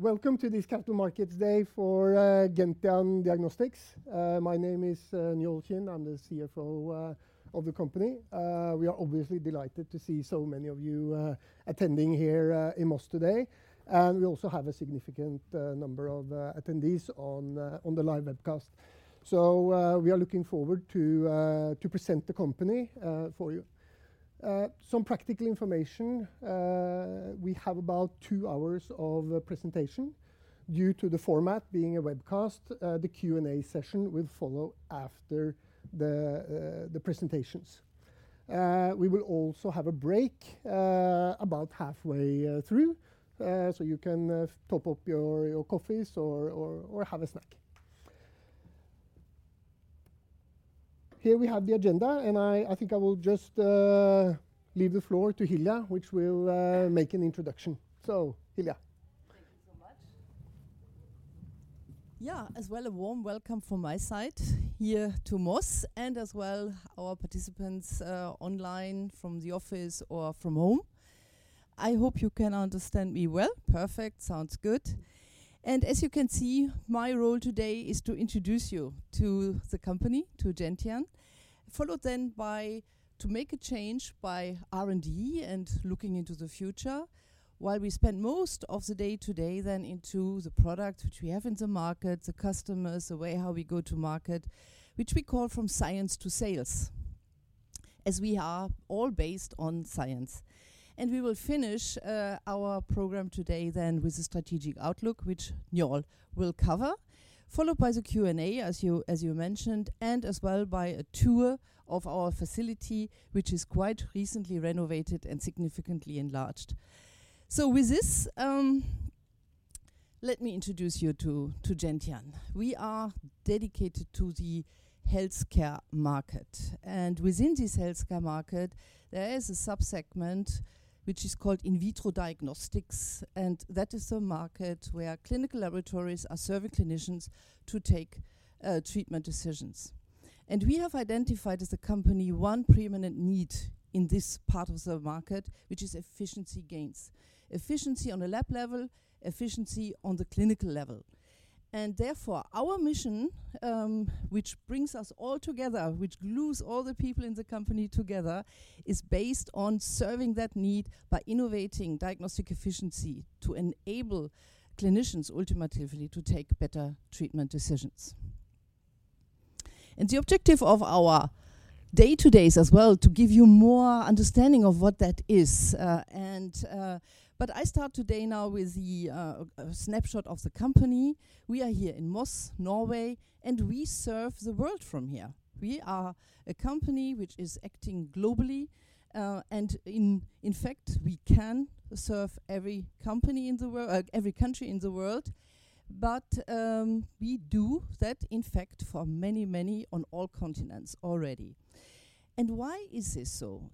Welcome to this Capital Markets Day for Gentian Diagnostics. My name is Njaal Kind. I'm the CFO of the company. We are obviously delighted to see so many of you attending here in Moss today. We also have a significant number of attendees on the live webcast. We are looking forward to present the company for you. Some practical information. We have about two hours of presentation. Due to the format being a webcast, the Q&A session will follow after the presentations. We will also have a break about halfway through, so you can top up your coffees or have a snack. Here we have the agenda, and I think I will just leave the floor to Hilja, which will make an introduction. Hilja. Thank you so much. Yeah, as well, a warm welcome from my side here to Moss and as well our participants online from the office or from home. I hope you can understand me well. Perfect. Sounds good. As you can see, my role today is to introduce you to the company, to Gentian, followed then by to make a change by R&D and looking into the future while we spend most of the day today then into the product which we have in the market, the customers, the way how we go to market, which we call from science to sales, as we are all based on science. We will finish our program today then with the strategic outlook, which Njaal will cover, followed by the Q&A, as you mentioned, and as well by a tour of our facility, which is quite recently renovated and significantly enlarged. With this, let me introduce you to Gentian. We are dedicated to the healthcare market, and within this Healthcare market, there is a sub-segment which is called in vitro diagnostics, and that is the market where Clinical Laboratories are serving clinicians to take treatment decisions. We have identified as a company one preeminent need in this part of the market, which is efficiency gains, efficiency on a lab level, efficiency on the clinical level. Therefore, our mission, which brings us all together, which glues all the people in the company together, is based on serving that need by innovating diagnostic efficiency to enable clinicians ultimately to take better treatment decisions. The objective of our day-to-days as well, to give you more understanding of what that is. I start today now with a snapshot of the company. We are here in Moss, Norway, and we serve the world from here. We are a company which is acting globally, and in fact, we can serve every country in the world. We do that, in fact, for many, many on all continents already. Why is this so?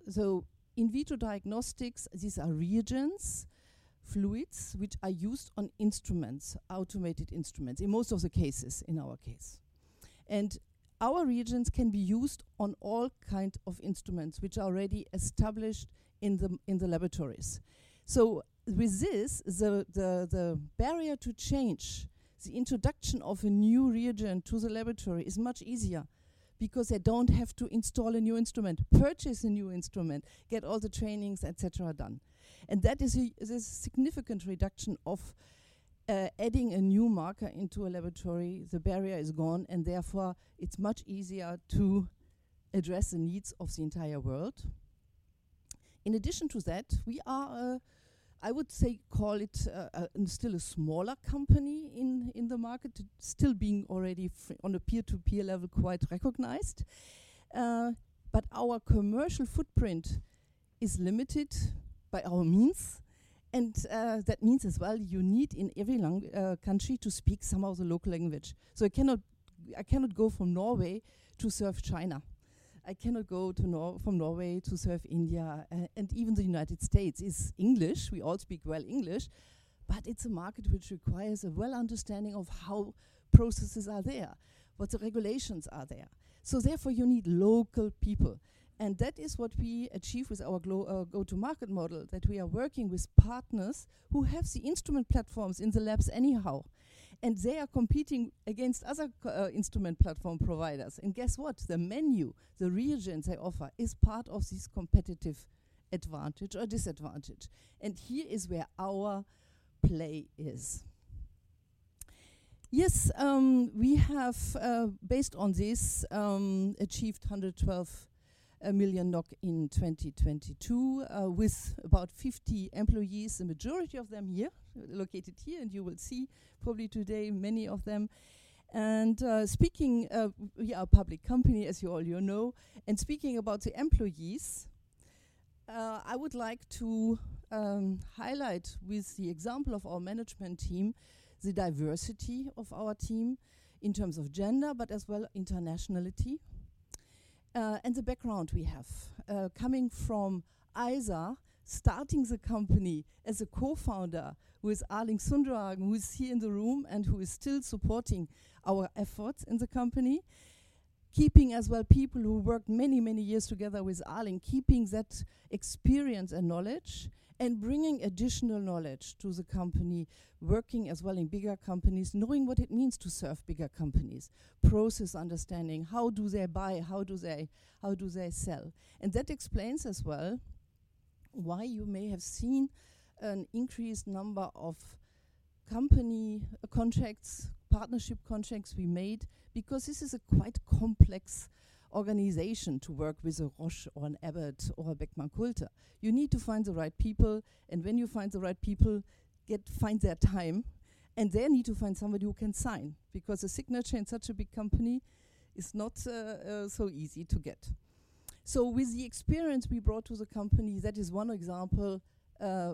In vitro diagnostics, these are reagents, fluids which are used on instruments, automated instruments in most of the cases, in our case. Our reagents can be used on all kind of instruments which are already established in the laboratories. With this, the barrier to change the introduction of a new reagent to the laboratory is much easier because they don't have to install a new instrument, purchase a new instrument, get all the trainings, etc., done. That is a significant reduction of adding a new marker into a laboratory. The barrier is gone, and therefore it's much easier to address the needs of the entire world. In addition to that, we are a, I would say, call it, still a smaller company in the market, still being already on a peer-to-peer level, quite recognized. Our commercial footprint is limited by our means and that means as well you need in every country to speak some of the local language. I cannot go from Norway to serve China. I cannot go from Norway to serve India. Even the United States is English. We all speak well English, but it's a market which requires a well understanding of how processes are there, what the regulations are there. Therefore, you need local people, and that is what we achieve with our go-to-market model, that we are working with partners who have the instrument platforms in the labs anyhow, and they are competing against other instrument platform providers. Guess what? The menu, the reagents they offer is part of this competitive advantage or disadvantage. Here is where our play is. Yes, we have, based on this, achieved 112 million NOK in 2022, with about 50 employees, the majority of them here, located here, and you will see probably today many of them. Speaking of we are a public company, as you all know, and speaking about the employees, I would like to highlight with the example of our management team, the diversity of our team in terms of gender, but as well internationality, and the background we have. Coming from Axis, starting the company as a co-founder with Erling Sundrehagen, who is here in the room and who is still supporting our efforts in the company. Keeping as well people who worked many, many years together with Erling, keeping that experience and knowledge, and bringing additional knowledge to the company, working as well in bigger companies, knowing what it means to serve bigger companies. Process understanding, how do they buy, how do they sell? That explains as well why you may have seen an increased number of company contracts, partnership contracts we made, because this is a quite complex organization to work with a Roche or an Abbott or a Beckman Coulter. You need to find the right people, and when you find the right people, find their time, and they need to find somebody who can sign, because a signature in such a big company is not so easy to get. With the experience we brought to the company, that is one example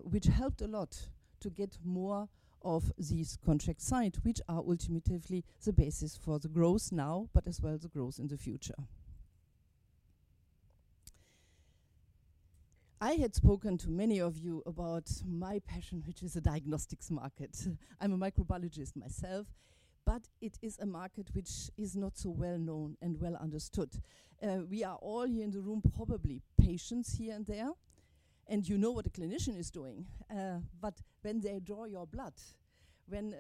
which helped a lot to get more of these contracts signed, which are ultimately the basis for the growth now, but as well the growth in the future. I had spoken to many of you about my passion, which is the diagnostics market. I'm a microbiologist myself. It is a market which is not so well known and well understood. We are all here in the room probably patients here and there, and you know what a clinician is doing. When they draw your blood, when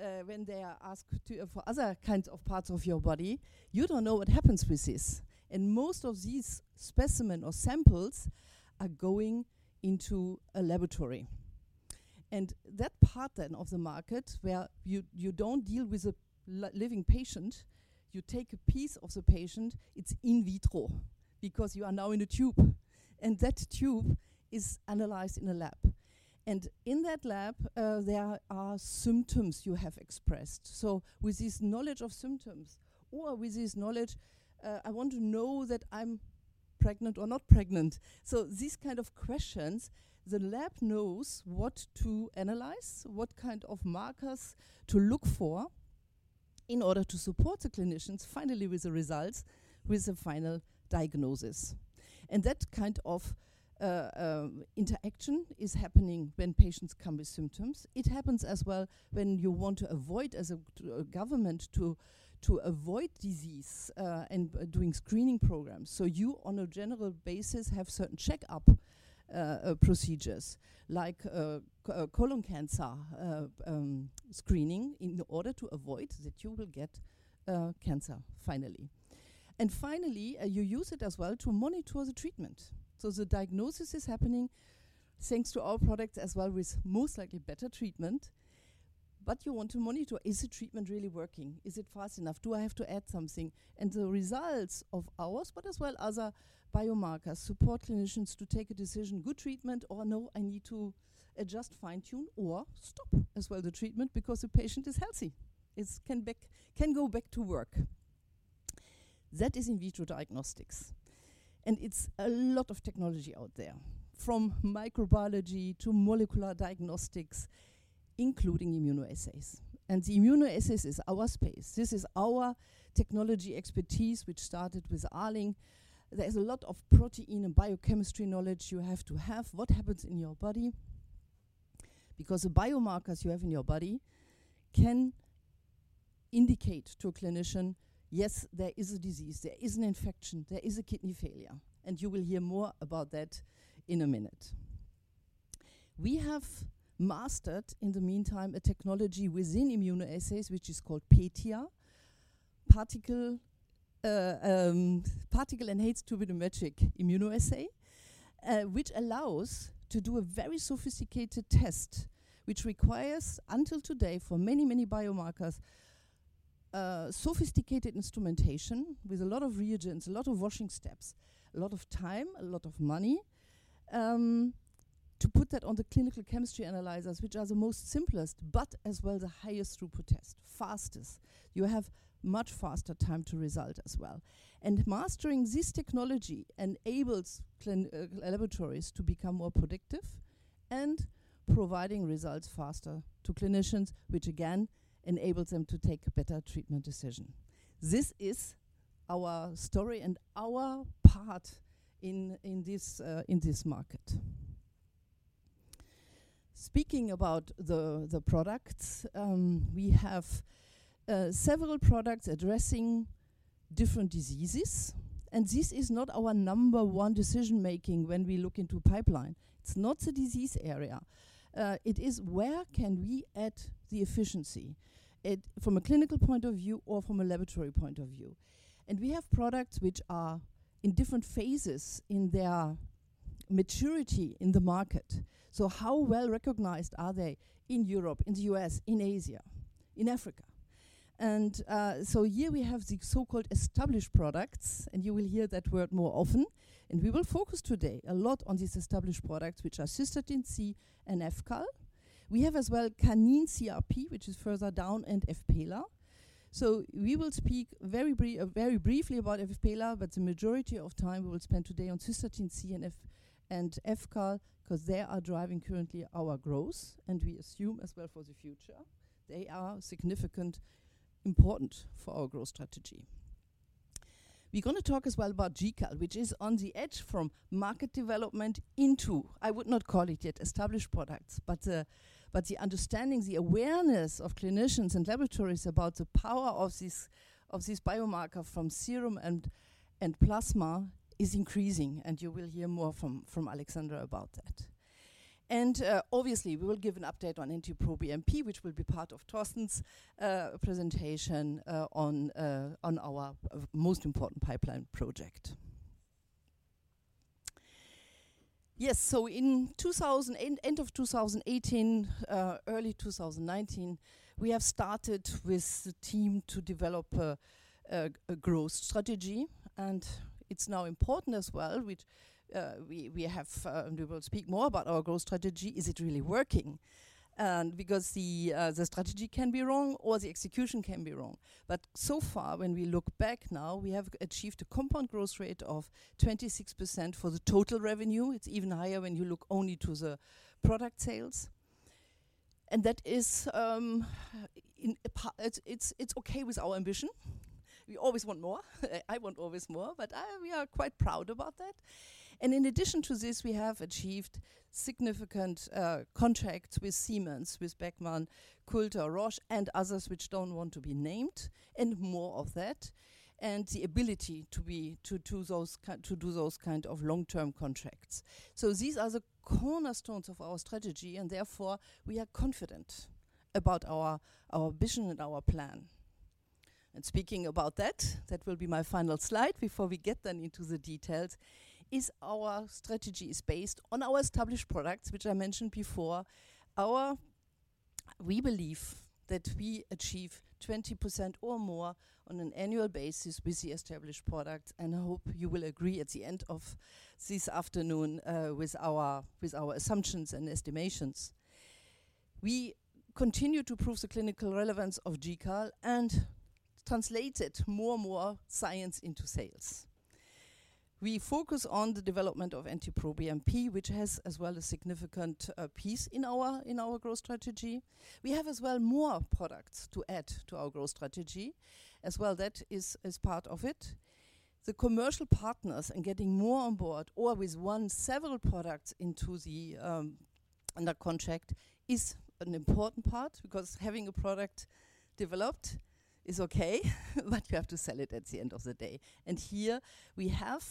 they are asked to for other kinds of parts of your body, you don't know what happens with this. Most of these specimen or samples are going into a laboratory. That part then of the market where you don't deal with a living patient, you take a piece of the patient, it's in vitro, because you are now in a tube, and that tube is analyzed in a lab. In that lab, there are symptoms you have expressed. With this knowledge of symptoms or with this knowledge, I want to know that I'm pregnant or not pregnant. These kind of questions, the lab knows what to analyze, what kind of markers to look for in order to support the clinicians finally with the results, with the final diagnosis. That kind of interaction is happening when patients come with symptoms. It happens as well when you want to avoid as a government to avoid disease and doing screening programs. You, on a general basis, have certain checkup procedures like colon cancer screening in order to avoid that you will get cancer finally. Finally, you use it as well to monitor the treatment. The diagnosis is happening thanks to our product as well with most likely better treatment. You want to monitor, is the treatment really working? Is it fast enough? Do I have to add something? The results of ours, but as well other biomarkers, support clinicians to take a decision, good treatment or no, I need to adjust, fine-tune, or stop as well the treatment because the patient is healthy, can go back to work. That is in vitro diagnostics, and it's a lot of technology out there, from microbiology to molecular diagnostics, including immunoassays. The immunoassays is our space. This is our technology expertise, which started with Erling. There is a lot of protein and biochemistry knowledge you have to have. What happens in your body? The biomarkers you have in your body can indicate to a clinician, yes, there is a disease, there is an infection, there is a kidney failure. You will hear more about that in a minute. We have mastered, in the meantime, a technology within immunoassays, which is called PATIA, Particle-Enhanced Turbidimetric Immunoassay, which allows to do a very sophisticated test, which requires until today, for many biomarkers, sophisticated instrumentation with a lot of reagents, a lot of washing steps, a lot of time, a lot of money, to put that on the clinical chemistry analyzers, which are the most simplest, but as well the highest throughput test, fastest. You have much faster time to result as well. Mastering this technology enables laboratories to become more predictive and providing results faster to clinicians, which again enables them to take a better treatment decision. This is our story and our part in this market. Speaking about the products, we have several products addressing different diseases, and this is not our number one decision-making when we look into pipeline. It's not the disease area. It is where can we add the efficiency from a clinical point of view or from a laboratory point of view. We have products which are in different phases in their maturity in the market. How well-recognized are they in Europe, in the U.S., in Asia, in Africa? Here we have the so-called established products, and you will hear that word more often. We will focus today a lot on these established products, which are Cystatin C and fCAL. We have as well Canine CRP, which is further down, and fPELA. We will speak very briefly about fPELA, but the majority of time we will spend today on Cystatin C and fCAL 'cause they are driving currently our growth, and we assume as well for the future. They are significant important for our growth strategy. We're gonna talk as well about GCAL, which is on the edge from market development into, I would not call it yet established products, but the understanding, the awareness of clinicians and laboratories about the power of this biomarker from serum and plasma is increasing, and you will hear more from Alexandra about that. Obviously, we will give an update on NT-proBNP, which will be part of Torsten's presentation, on our of most important pipeline project. So in end of 2018, early 2019, we have started with the team to develop a growth strategy, and it's now important as well, which we have, and we will speak more about our growth strategy. Is it really working? Because the strategy can be wrong or the execution can be wrong. So far, when we look back now, we have achieved a compound growth rate of 26% for the total revenue. It's even higher when you look only to the product sales. That is, It's okay with our ambition. We always want more. I want always more, we are quite proud about that. In addition to this, we have achieved significant contracts with Siemens, with Beckman Coulter, Roche, and others which don't want to be named, and more of that, and the ability to do those kind of long-term contracts. These are the cornerstones of our strategy, we are confident about our vision and our plan. Speaking about that will be my final slide before we get into the details, is our strategy is based on our established products, which I mentioned before. We believe that we achieve 20% or more on an annual basis with the established product, I hope you will agree at the end of this afternoon with our assumptions and estimations. We continue to prove the clinical relevance of GCAL and translate it more and more science into sales. We focus on the development of NT-proBNP, which has as well a significant piece in our growth strategy. We have as well more products to add to our growth strategy, as well that is part of it. The commercial partners and getting more on board or with one several products into the under contract is an important part because having a product developed is okay, but you have to sell it at the end of the day. here we have,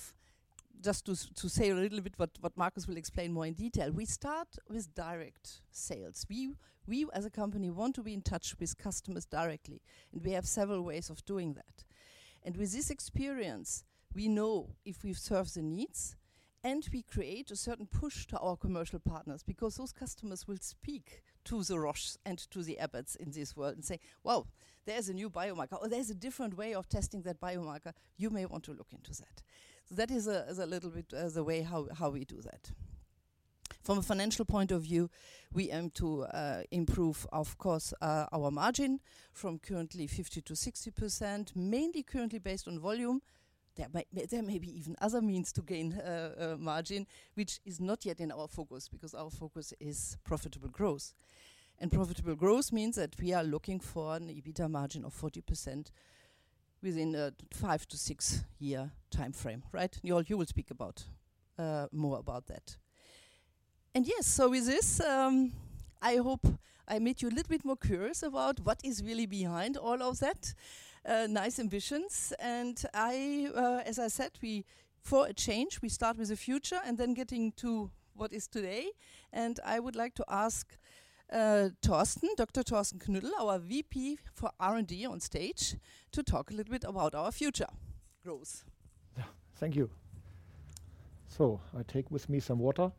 just to say a little bit what Markus will explain more in detail. We start with direct sales. We as a company want to be in touch with customers directly, and we have several ways of doing that. With this experience, we know if we serve the needs and we create a certain push to our commercial partners because those customers will speak to the Roche and to the Abbott in this world and say, "Whoa, there's a new biomarker," or, "There's a different way of testing that biomarker. You may want to look into that." That is a little bit the way how we do that. From a financial point of view, we aim to improve, of course, our margin from currently 50% to 60%, mainly currently based on volume. There may be even other means to gain margin, which is not yet in our focus because our focus is profitable growth. Profitable growth means that we are looking for an EBITDA margin of 40% within a five to six year timeframe, right? You all will speak about more about that. With this, I hope I made you a little bit more curious about what is really behind all of that nice ambitions. As I said, we, for a change, we start with the future and then getting to what is today. I would like to ask Torsten, Dr. Torsten Knüttel, our VP for R&D on stage, to talk a little bit about our future growth. Yeah. Thank you. I take with me some water.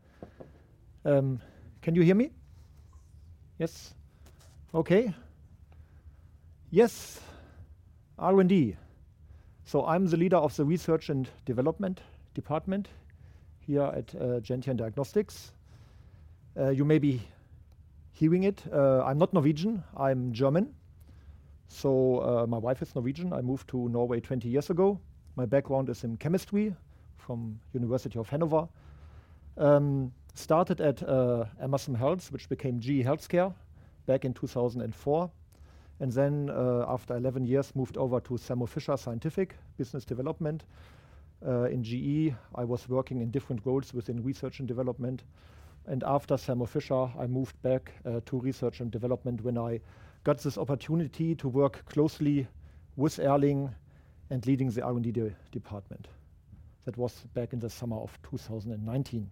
Can you hear me? Yes. Okay. Yes. R&D. I'm the leader of the research and development department here at Gentian Diagnostics. You may be hearing it. I'm not Norwegian. I'm German. My wife is Norwegian. I moved to Norway 20 years ago. My background is in chemistry from University of Hannover. Started at Amersham Health, which became GE Healthcare back in 2004, after 11 years, moved over to Thermo Fisher Scientific, business development. In GE, I was working in different roles within research and development, after Thermo Fisher, I moved back to research and development when I got this opportunity to work closely with Erling and leading the R&D department. That was back in the summer of 2019.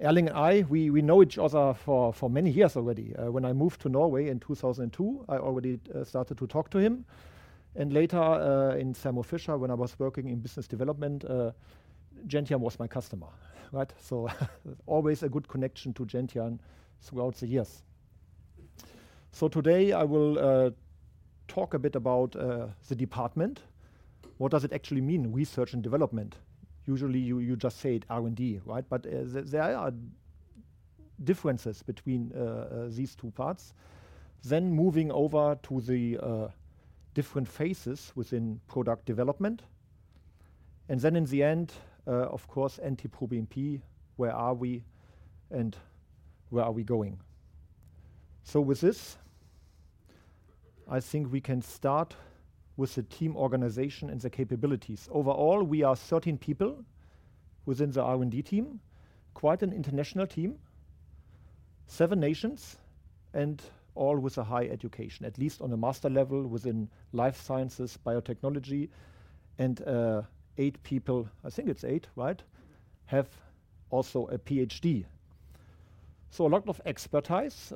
Erling and I, we know each other for many years already. When I moved to Norway in 2002, I already started to talk to him. Later, in Thermo Fisher, when I was working in business development, Gentian was my customer, right? Always a good connection to Gentian throughout the years. Today, I will talk a bit about the department. What does it actually mean, research and development? Usually, you just say it R&D, right? There are differences between these two parts. Moving over to the different phases within product development. In the end, of course, NT-proBNP, where are we and where are we going? With this, I think we can start with the team organization and the capabilities. Overall, we are 13 people within the R&D team, quite an international team, seven nations, and all with a high education, at least on a master level within life sciences, biotechnology. Eight people, I think it's eight, right, have also a PhD. A lot of expertise.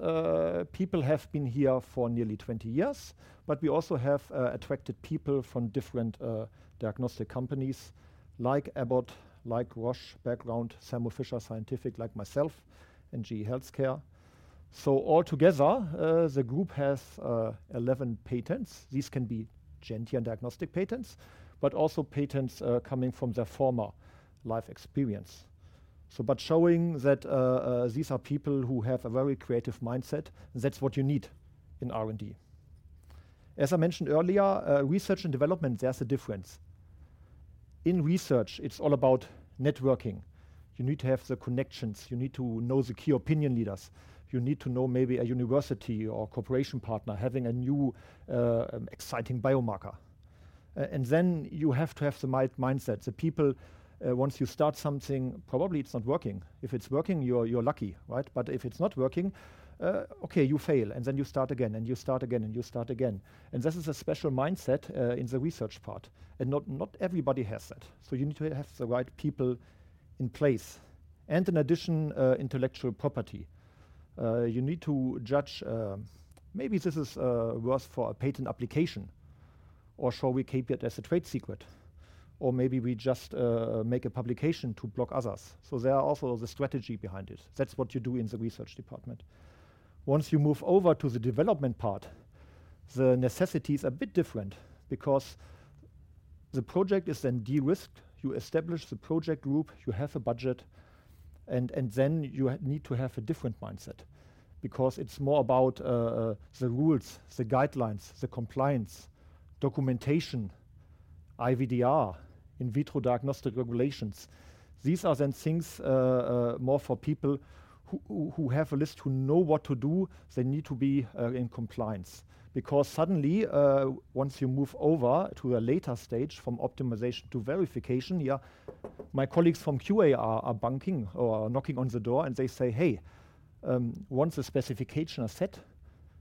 People have been here for nearly 20 years, but we also have attracted people from different diagnostic companies like Abbott, like Roche background, Thermo Fisher Scientific like myself, and GE HealthCare. All together, the group has 11 patents. These can be Gentian Diagnostics patents, but also patents coming from their former life experience. But showing that these are people who have a very creative mindset, that's what you need in R&D. As I mentioned earlier, research and development, there's a difference. In research, it's all about networking. You need to have the connections. You need to know the key opinion leaders. You need to know maybe a university or cooperation partner having a new, exciting biomarker. Then you have to have the mindset. The people, once you start something, probably it's not working. If it's working, you're lucky, right? If it's not working, okay, you fail, then you start again, and you start again, and you start again. This is a special mindset, in the research part, and not everybody has that. You need to have the right people in place and in addition, intellectual property. You need to judge, maybe this is worth for a patent application, or shall we keep it as a trade secret? Maybe we just make a publication to block others. There are also the strategy behind it. That's what you do in the research department. Once you move over to the development part, the necessities are a bit different because the project is then de-risked. You establish the project group, you have a budget, and then you need to have a different mindset because it's more about the rules, the guidelines, the compliance, documentation, IVDR, in vitro diagnostic regulations. These are then things more for people who have a list, who know what to do. They need to be in compliance because suddenly, once you move over to a later stage from optimization to verification, yeah, my colleagues from QA are knocking on the door, and they say, "Hey, once the specification are set,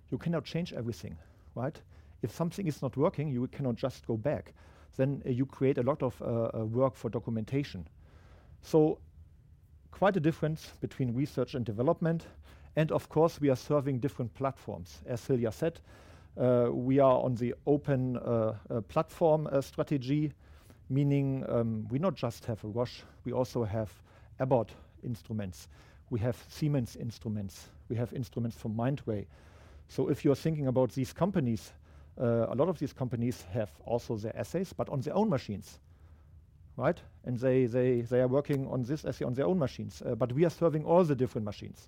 you cannot change everything." Right? If something is not working, you cannot just go back. Then you create a lot of work for documentation. Quite a difference between research and development, and of course, we are serving different platforms. As Celia said, we are on the open platform strategy, meaning, we not just have Roche, we also have Abbott instruments. We have Siemens instruments. We have instruments from Mindray. If you're thinking about these companies, a lot of these companies have also their assays, but on their own machines, right? They are working on this assay on their own machines, but we are serving all the different machines.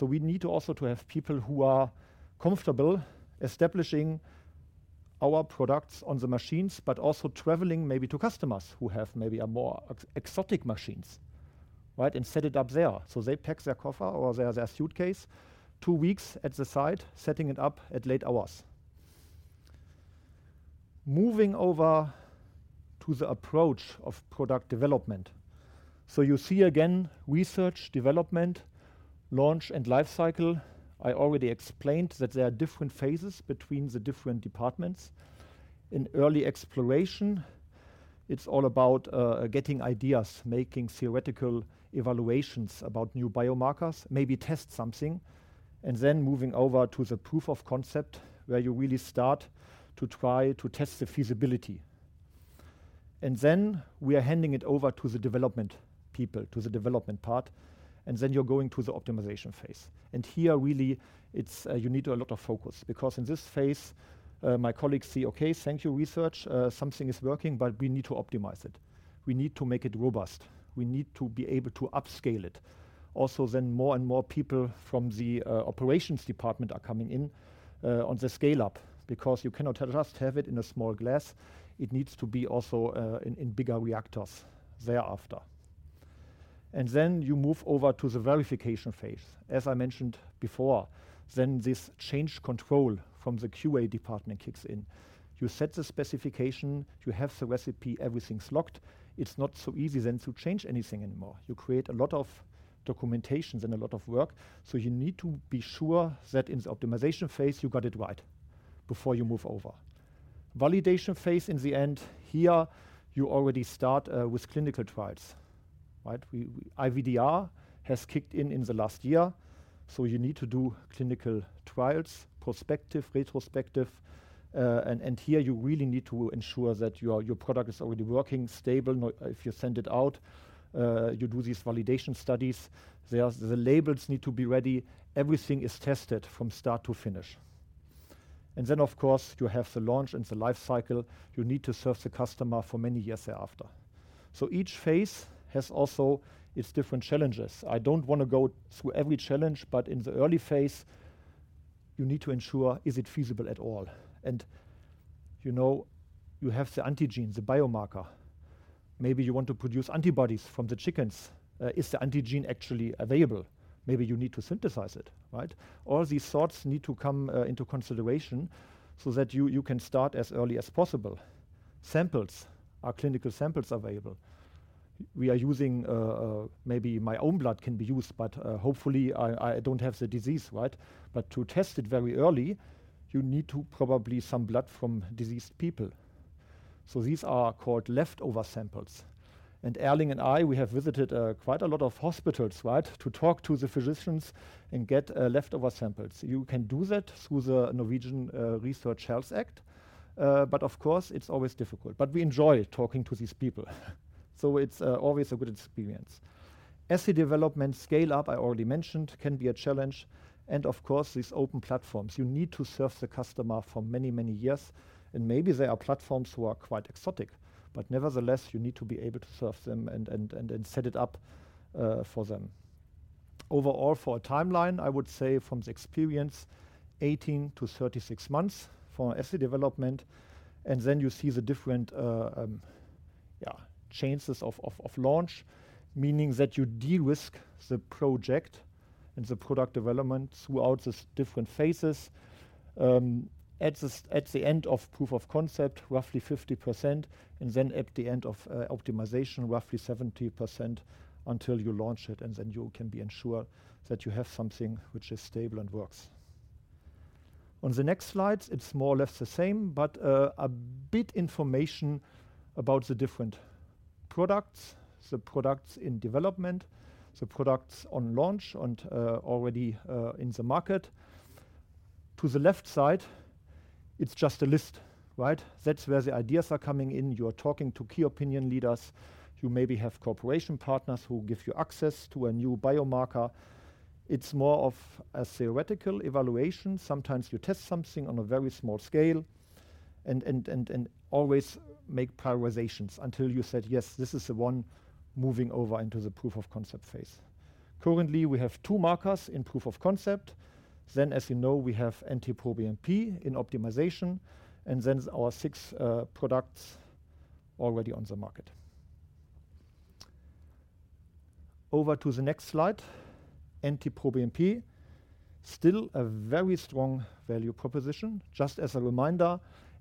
We need to also to have people who are comfortable establishing our products on the machines, but also traveling maybe to customers who have maybe a more exotic machines, right, and set it up there. They pack their coffer or their suitcase, two weeks at the site, setting it up at late hours. Moving over to the approach of product development. You see again research, development, launch, and lifecycle. I already explained that there are different phases between the different departments. In early exploration, it's all about getting ideas, making theoretical evaluations about new biomarkers, maybe test something, and then moving over to the proof of concept, where you really start to try to test the feasibility. Then we are handing it over to the development people, to the development part, and then you're going to the optimization phase. Here, really, it's, you need a lot of focus because in this phase, my colleagues say, "Okay, thank you, research. Something is working, but we need to optimize it. We need to make it robust. We need to be able to upscale it." More and more people from the operations department are coming in on the scale-up because you cannot just have it in a small glass. It needs to be also in bigger reactors thereafter. Then you move over to the verification phase. As I mentioned before, this change control from the QA department kicks in. You set the specification, you have the recipe, everything's locked. It's not so easy then to change anything anymore. You create a lot of documentations and a lot of work, so you need to be sure that in the optimization phase, you got it right before you move over. Validation phase in the end, here, you already start with clinical trials, right? IVDR has kicked in in the last year, so you need to do clinical trials, prospective, retrospective, and here you really need to ensure that your product is already working, stable. Now if you send it out, you do these validation studies. There's the labels need to be ready. Everything is tested from start to finish. Then, of course, you have the launch and the life cycle. You need to serve the customer for many years thereafter. Each phase has also its different challenges. I don't want to go through every challenge, but in the early phase, you need to ensure is it feasible at all. You know you have the antigen, the biomarker. Maybe you want to produce antibodies from the chickens. Is the antigen actually available? Maybe you need to synthesize it, right? All these thoughts need to come into consideration so that you can start as early as possible. Samples. Are clinical samples available? We are using maybe my own blood can be used, but hopefully I don't have the disease, right? To test it very early, you need to probably some blood from diseased people. These are called leftover samples. Erling and I, we have visited quite a lot of hospitals, right? To talk to the physicians and get leftover samples. You can do that through the Norwegian Health Research Act. Of course, it's always difficult. We enjoy talking to these people, so it's always a good experience. Assay development scale-up, I already mentioned, can be a challenge, and of course these open platforms. You need to serve the customer for many, many years, and maybe there are platforms who are quite exotic, but nevertheless, you need to be able to serve them and set it up for them. Overall, for a timeline, I would say from the experience, 18 to 36 months for assay development, and then you see the different, yeah, chances of launch, meaning that you de-risk the project and the product development throughout these different phases. At the end of proof of concept, roughly 50%, and then at the end of optimization, roughly 70% until you launch it, and then you can be ensured that you have something which is stable and works. On the next slides, it's more or less the same, but a bit information about the different products, the products in development, the products on launch and already in the market. To the left side, it's just a list, right? That's where the ideas are coming in. You are talking to Key Opinion Leaders. You maybe have cooperation partners who give you access to a new biomarker. It's more of a theoretical evaluation. Sometimes you test something on a very small scale and always make prioritizations until you said, "Yes, this is the one," moving over into the proof of concept phase. Currently, we have two markers in proof of concept. Then, as you know, we have NT-proBNP in optimization, and then our six products already on the market. Over to the next slide. NT-proBNP, still a very strong value proposition. Just as a reminder,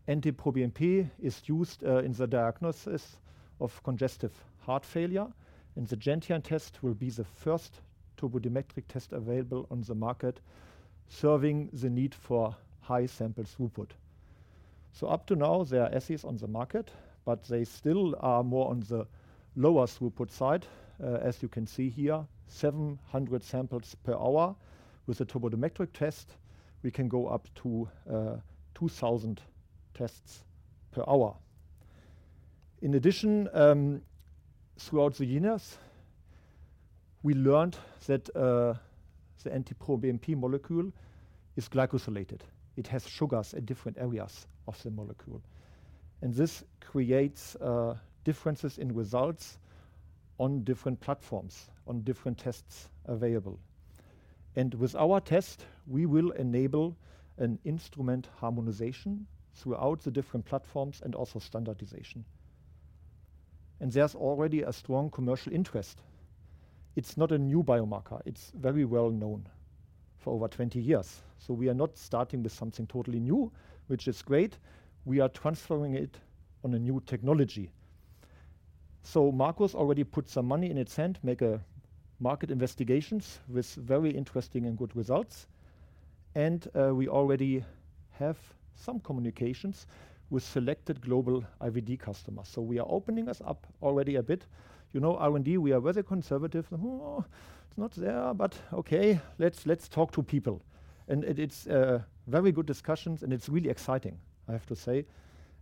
NT-proBNP is used in the diagnosis of congestive heart failure, and the Gentian test will be the first turbidimetric test available on the market, serving the need for high sample throughput. Up to now, there are assays on the market, but they still are more on the lower throughput side. As you can see here, 700 samples per hour. With a turbidimetric test, we can go up to 2,000 tests per hour. In addition, throughout the years, we learned that the NT-proBNP molecule is glycosylated. It has sugars at different areas of the molecule, and this creates differences in results on different platforms, on different tests available. With our test, we will enable an instrument harmonization throughout the different platforms and also standardization. There's already a strong commercial interest. It's not a new biomarker. It's very well known for over 20 years. We are not starting with something totally new, which is great. We are transferring it on a new technology. Marcos already put some money and it sent, make market investigations with very interesting and good results, and we already have some communications with selected global IVD customers. We are opening this up already a bit. You know R&D, we are very conservative. Oh, it's not there, but okay, let's talk to people. It's very good discussions and it's really exciting, I have to say,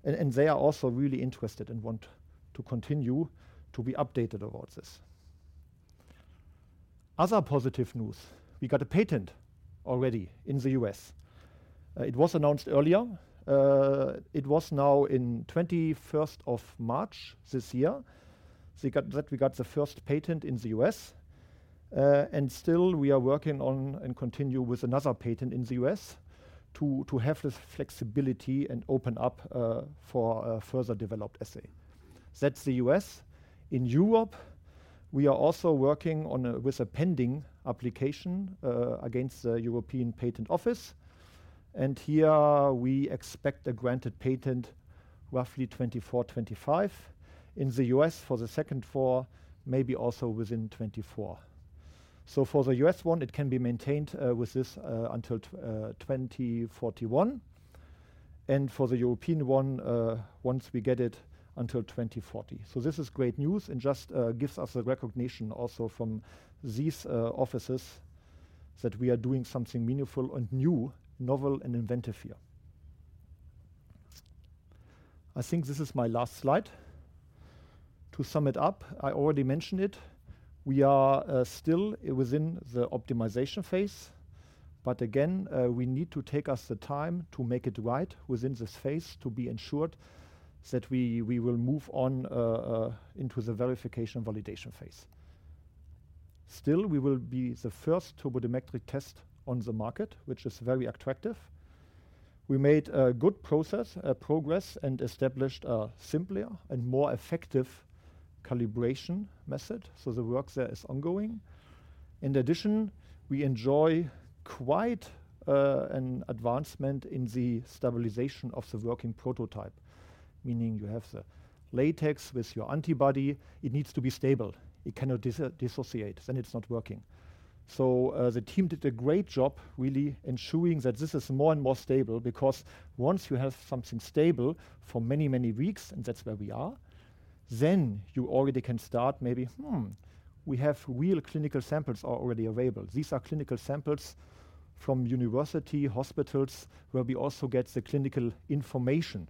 and they are also really interested and want to continue to be updated about this. Other positive news, we got a patent already in the U.S.. It was announced earlier. It was now in twenty-first of March this year that we got the first patent in the U.S.. Still we are working on and continue with another patent in the U.S. to have this flexibility and open up for a further developed assay. That's the U.S.. In Europe, we are also working with a pending application against the European Patent Office, here we expect a granted patent roughly 2024, 2025. In the U.S., for the second four, maybe also within 2024. For the U.S. one, it can be maintained with this until 2041, and for the European one, once we get it, until 2040. This is great news and just gives us a recognition also from these offices that we are doing something meaningful and new, novel and inventive here. I think this is my last slide. To sum it up, I already mentioned it. We are still within the optimization phase, but again, we need to take us the time to make it right within this phase to be ensured that we will move on into the verification validation phase. Still, we will be the first turbidimetric test on the market, which is very attractive. We made good progress, and established a simpler and more effective calibration method. The work there is ongoing. In addition, we enjoy quite an advancement in the stabilization of the working prototype, meaning you have the latex with your antibody, it needs to be stable. It cannot dissociate, then it's not working. The team did a great job really ensuring that this is more and more stable because once you have something stable for many, many weeks, and that's where we are, then you already can start maybe, "Hmm, we have real clinical samples are already available." These are clinical samples from university hospitals where we also get the clinical information.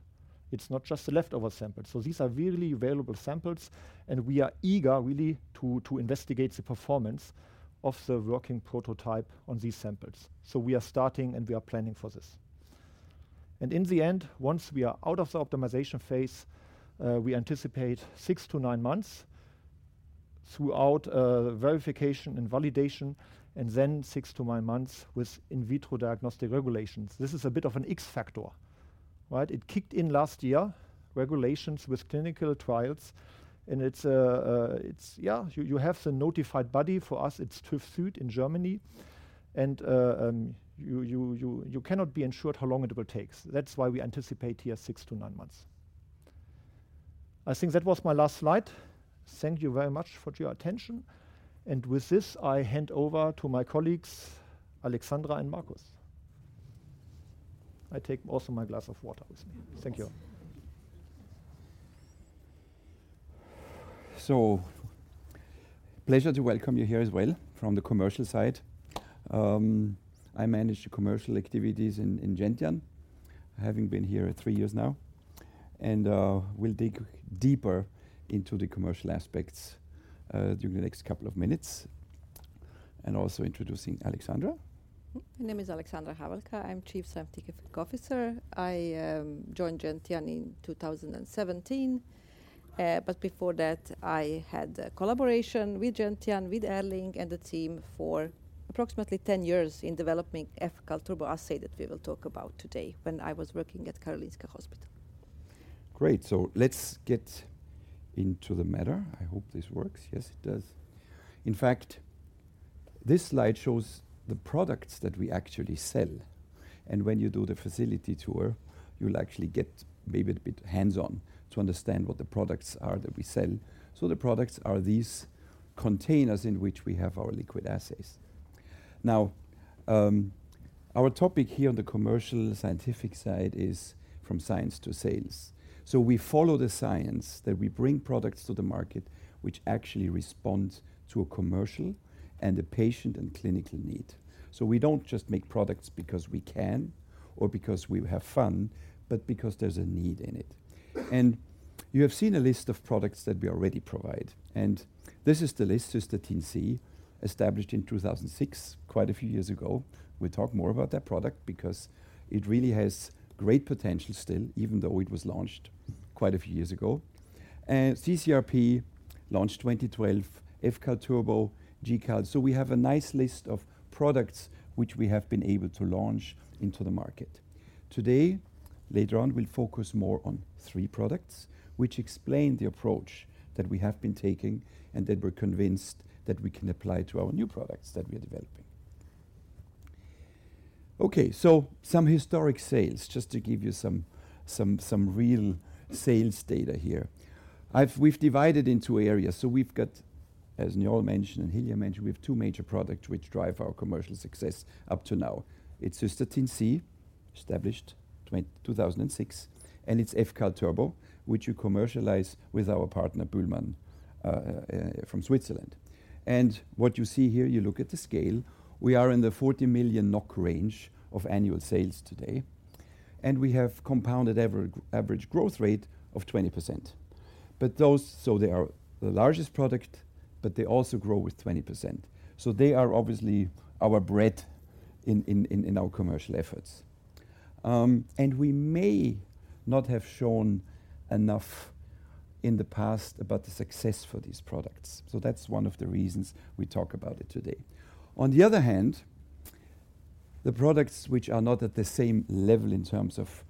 It's not just the leftover samples. These are really available samples, and we are eager really to investigate the performance of the working prototype on these samples. We are starting, and we are planning for this. In the end, once we are out of the optimization phase, we anticipate six to nine months throughout verification and validation, and then six to nine months with in vitro diagnostic regulations. This is a bit of an X factor, right? It kicked in last year, regulations with clinical trials, and it's, you have the notified body. For us it's TÜV SÜD in Germany. You cannot be ensured how long it will take. That's why we anticipate here six to nine months. I think that was my last slide. Thank you very much for your attention. With this, I hand over to my colleagues, Alexandra and Markus. I take also my glass of water with me. Thank you. Pleasure to welcome you here as well from the commercial side. I manage the commercial activities in Gentian, having been here three years now, and we'll dig deeper into the commercial aspects during the next couple of minutes, and also introducing Alexandra. My name is Alexandra Havelka. I'm chief scientific officer. I joined Gentian in 2017. Before that, I had a collaboration with Gentian, with Erling and the team for approximately 10 years in developing fCAL turbo assay that we will talk about today when I was working at Karolinska Hospital. Great. Let's get into the matter. I hope this works. Yes, it does. In fact, this slide shows the products that we actually sell, and when you do the facility tour, you'll actually get maybe a bit hands-on to understand what the products are that we sell. The products are these containers in which we have our liquid assays. Now, our topic here on the commercial scientific side is from science to sales. We follow the science that we bring products to the market, which actually respond to a commercial and a patient and clinical need. We don't just make products because we can or because we have fun, but because there's a need in it. You have seen a list of products that we already provide, and this is the list, Cystatin C, established in 2006, quite a few years ago. We talk more about that product because it really has great potential still, even though it was launched quite a few years ago. cCRP, launched 2012, fCAL turbo, GCAL. We have a nice list of products which we have been able to launch into the market. Today, later on, we'll focus more on three products which explain the approach that we have been taking and that we're convinced that we can apply to our new products that we are developing. Some historic sales, just to give you some real sales data here. We've divided into areas. We've got, as Nerol mentioned and Hilja mentioned, we have two major products which drive our commercial success up to now. It's Cystatin C, established 2006, and it's fCAL turbo, which we commercialize with our partner BÜHLMANN from Switzerland. What you see here, you look at the scale, we are in the 40 million NOK range of annual sales today, and we have compounded average growth rate of 20%. They are the largest product, but they also grow with 20%. They are obviously our bread in our commercial efforts. We may not have shown enough in the past about the success for these products, so that's one of the reasons we talk about it today. On the other hand, the products which are not at the same level in terms of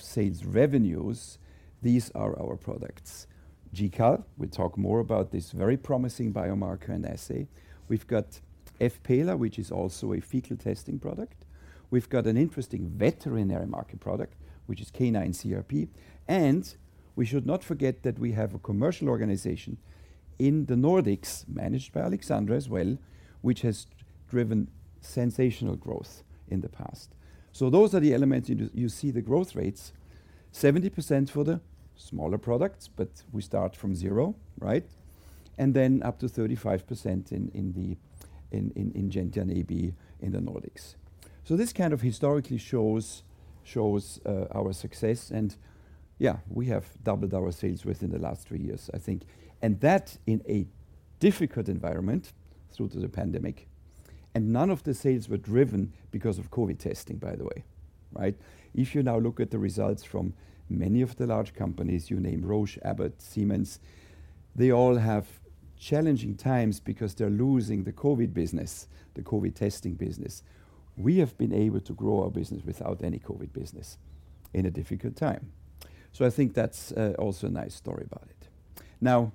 sales revenues, these are our products. GCAL. We talk more about this very promising biomarker and assay. We've got fPELA, which is also a fecal testing product. We've got an interesting veterinary market product, which is Canine CRP. We should not forget that we have a commercial organization in the Nordics, managed by Alexandra as well, which has driven sensational growth in the past. Those are the elements you see the growth rates, 70% for the smaller products, but we start from zero, right? Then up to 35% in Gentian AB in the Nordics. This kind of historically shows our success, and yeah, we have doubled our sales within the last 3 years, I think. That in a difficult environment through to the pandemic. None of the sales were driven because of COVID testing, by the way, right? If you now look at the results from many of the large companies, you name Roche, Abbott, Siemens, they all have challenging times because they're losing the COVID business, the COVID testing business. We have been able to grow our business without any COVID business in a difficult time. I think that's also a nice story about it. Now,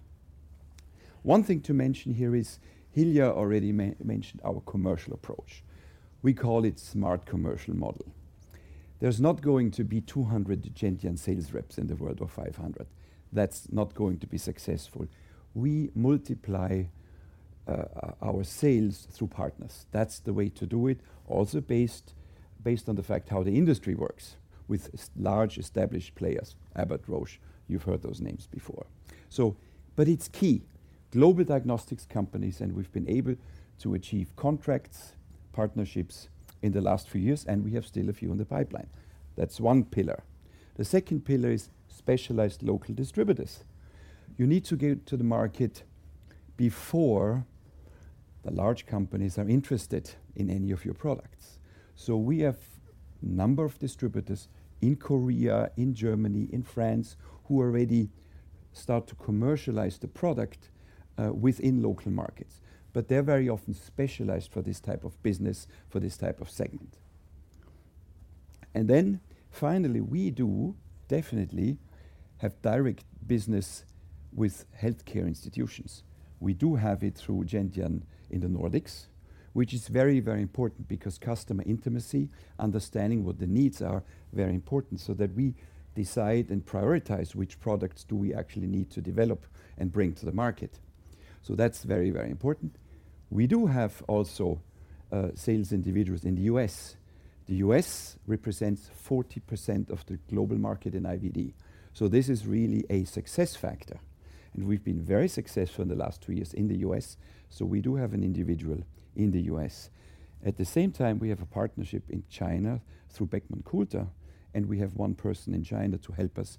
one thing to mention here is Hilja already mentioned our commercial approach. We call it smart commercial model. There's not going to be 200 Gentian sales reps in the world or 500. That's not going to be successful. We multiply our sales through partners. That's the way to do it, also based on the fact how the industry works with large established players, Abbott, Roche. You've heard those names before. It's key. Global diagnostics companies, we've been able to achieve contracts, partnerships in the last few years, and we have still a few in the pipeline. That's one pillar. The second pillar is specialized local distributors. You need to get to the market before the large companies are interested in any of your products. We have number of distributors in Korea, in Germany, in France, who already start to commercialize the product within local markets. They're very often specialized for this type of business, for this type of segment. Finally, we do definitely have direct business with healthcare institutions. We do have it through Gentian in the Nordics, which is very, very important because customer intimacy, understanding what the needs are very important, so that we decide and prioritize which products do we actually need to develop and bring to the market. That's very, very important. We do have also sales individuals in the U.S.. The U.S. represents 40% of the global market in IVD, so this is really a success factor. We've been very successful in the last two years in the U.S., so we do have an individual in the U.S.. At the same time, we have a partnership in China through Beckman Coulter, and we have one person in China to help us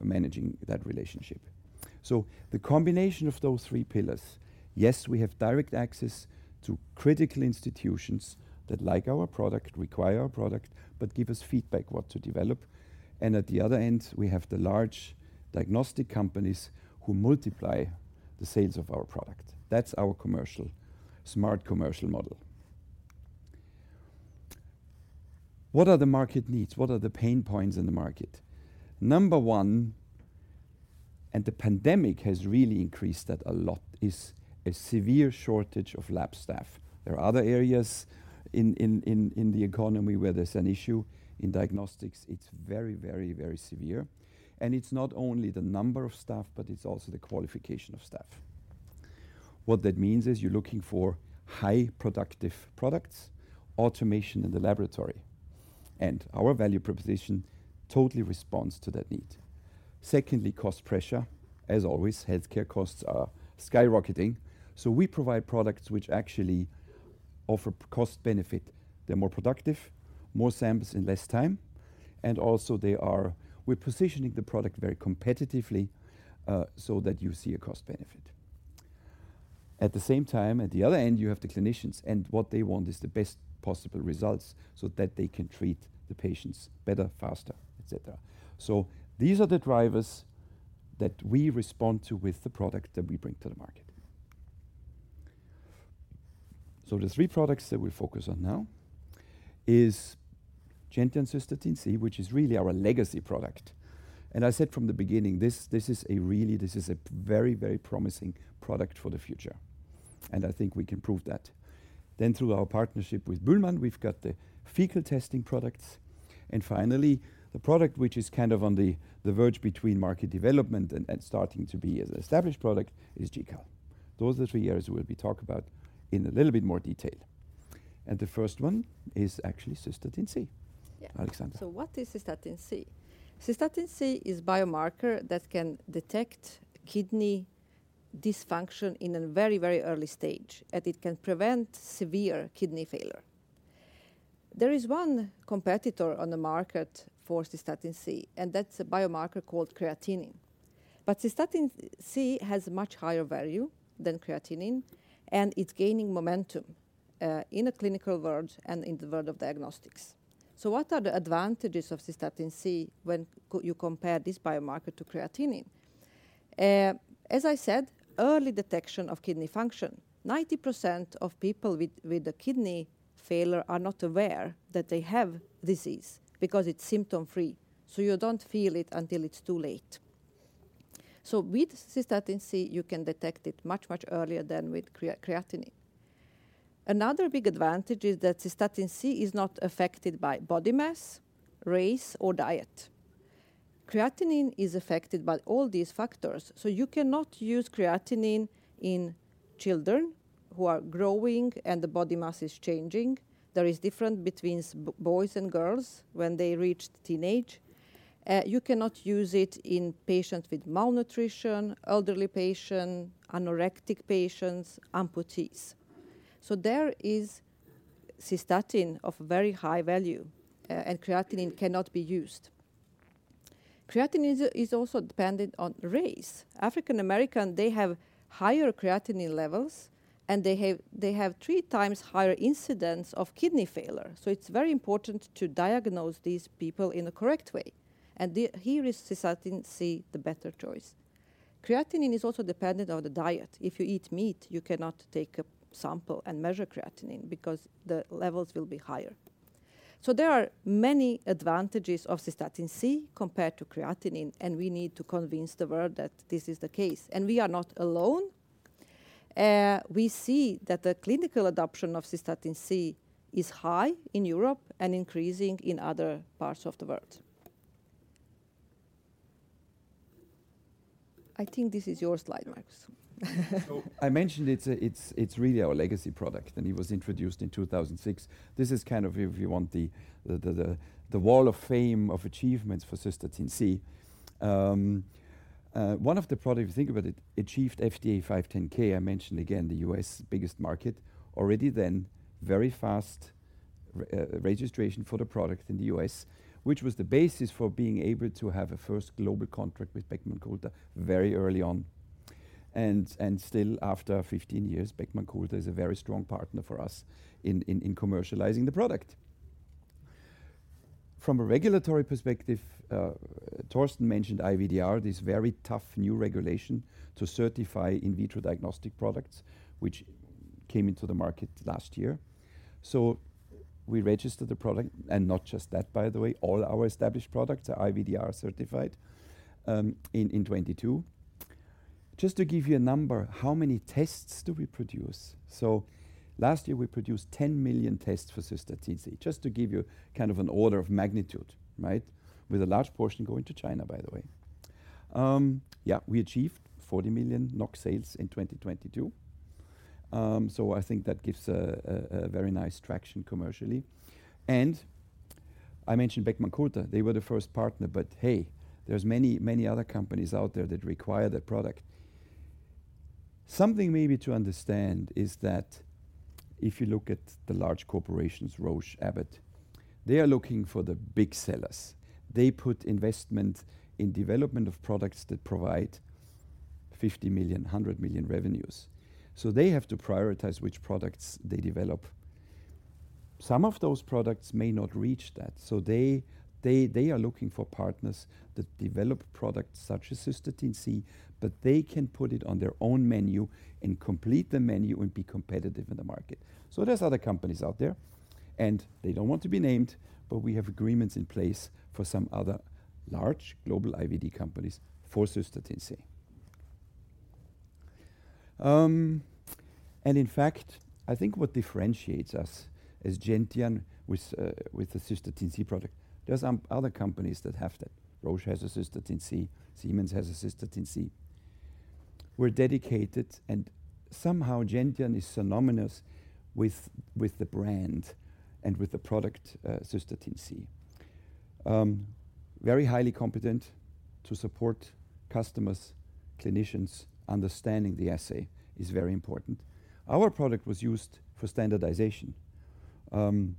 managing that relationship. The combination of those three pillars, yes, we have direct access to critical institutions that like our product, require our product, but give us feedback what to develop. At the other end, we have the large diagnostic companies who multiply the sales of our product. That's our smart commercial model. What are the market needs? What are the pain points in the market? Number one, and the pandemic has really increased that a lot, is a severe shortage of lab staff. There are other areas in the economy where there's an issue. In diagnostics, it's very, very, very severe. It's not only the number of staff, but it's also the qualification of staff. What that means is you're looking for high productive products, automation in the laboratory, and our value proposition totally responds to that need. Secondly, cost pressure. Healthcare costs are skyrocketing, we provide products which actually offer cost benefit. They're more productive, more samples in less time, and also we're positioning the product very competitively, so that you see a cost benefit. At the same time, at the other end, you have the clinicians, and what they want is the best possible results so that they can treat the patients better, faster, etc.. These are the drivers that we respond to with the product that we bring to the market. The three products that we focus on now is Gentian Cystatin C, which is really our legacy product. I said from the beginning, this is a really, this is a very promising product for the future, and I think we can prove that. Through our partnership with BÜHLMANN, we've got the fecal testing products. Finally, the product which is kind of on the verge between market development and starting to be an established product is GCAL. Those are the three areas we'll be talk about in a little bit more detail. The first one is actually Cystatin C. Yeah. Alexandra. What is Cystatin C? Cystatin C is biomarker that can detect kidney dysfunction in a very, very early stage, and it can prevent severe kidney failure. There is one competitor on the market for Cystatin C, and that's a biomarker called creatinine. Cystatin C has much higher value than creatinine, and it's gaining momentum in a clinical world and in the world of diagnostics. What are the advantages of Cystatin C when you compare this biomarker to creatinine? As I said, early detection of kidney function. 90% of people with a kidney failure are not aware that they have disease because it's symptom-free, you don't feel it until it's too late. With Cystatin C, you can detect it much, much earlier than with creatinine. Another big advantage is that Cystatin C is not affected by body mass, race, or diet. Creatinine is affected by all these factors, you cannot use creatinine in children who are growing and the body mass is changing. There is different between boys and girls when they reach teenage. You cannot use it in patients with malnutrition, elderly patient, anorectic patients, amputees. There is Cystatin of very high value, and creatinine cannot be used. Creatinine is also dependent on race. African-American, they have higher creatinine levels and they have 3 times higher incidence of kidney failure. It's very important to diagnose these people in the correct way and here is Cystatin C the better choice. Creatinine is also dependent on the diet. If you eat meat, you cannot take a sample and measure creatinine because the levels will be higher. There are many advantages of Cystatin C compared to creatinine, and we need to convince the world that this is the case, and we are not alone. We see that the clinical adoption of Cystatin C is high in Europe and increasing in other parts of the world. I think this is your slide, Markus. I mentioned it's really our legacy product and it was introduced in 2006. This is kind of if you want the wall of fame of achievements for Cystatin C. One of the product, if you think about it, achieved FDA 510(k). I mentioned again, the U.S. biggest market already then very fast registration for the product in the U.S., which was the basis for being able to have a first global contract with Beckman Coulter very early on. Still after 15 years, Beckman Coulter is a very strong partner for us in commercializing the product. From a regulatory perspective, Torsten mentioned IVDR, this very tough new regulation to certify in vitro diagnostic products which came into the market last year. We registered the product and not just that by the way, all our established products are IVDR certified in 2022. Just to give you a number, how many tests do we produce? Last year we produced 10 million tests for Cystatin C just to give you kind of an order of magnitude, right? With a large portion going to China by the way. We achieved 40 million NOK sales in 2022. I think that gives a very nice traction commercially. I mentioned Beckman Coulter, they were the first partner, but hey, there's many, many other companies out there that require that product. Something maybe to understand is that if you look at the large corporations, Roche, Abbott, they are looking for the big sellers. They put investment in development of products that provide 50 million, 100 million revenues. They have to prioritize which products they develop. Some of those products may not reach that. They are looking for partners that develop products such as Cystatin C, but they can put it on their own menu and complete the menu and be competitive in the market. There's other companies out there and they don't want to be named, but we have agreements in place for some other large global IVD companies for Cystatin C. In fact, I think what differentiates us as Gentian with the Cystatin C product, there's some other companies that have that. Roche has a Cystatin C, Siemens has a Cystatin C. We're dedicated and somehow Gentian is synonymous with the brand and with the product, Cystatin C. Very highly competent to support customers, clinicians understanding the assay is very important. Our product was used for standardization. Torsten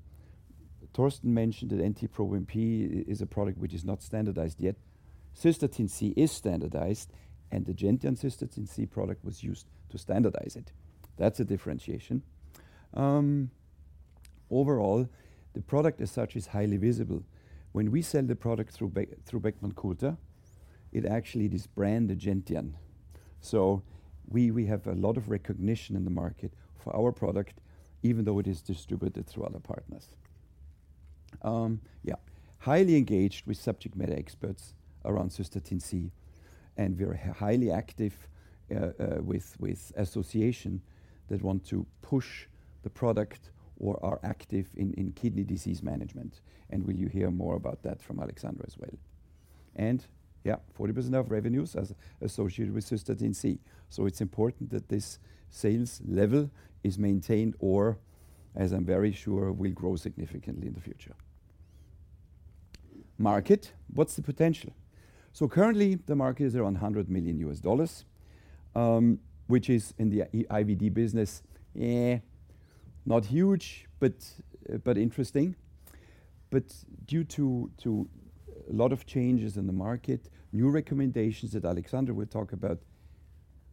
Knüttel mentioned that NT-proBNP is a product which is not standardized yet. Cystatin C is standardized, and the Gentian Cystatin C product was used to standardize it. That's a differentiation. Overall, the product as such is highly visible. When we sell the product through Beckman Coulter, it actually is brand Gentian. We have a lot of recognition in the market for our product even though it is distributed through other partners. Highly engaged with subject matter experts around Cystatin C. We are highly active with association that want to push the product or are active in kidney disease management. Well, you hear more about that from Aleksandra as well. Yeah, 40% of revenues as associated with Cystatin C, it's important that this sales level is maintained or as I'm very sure will grow significantly in the future. Market, what's the potential? Currently the market is around $100 million, which is in the IVD business, not huge but interesting. Due to a lot of changes in the market, new recommendations that Aleksandra will talk about,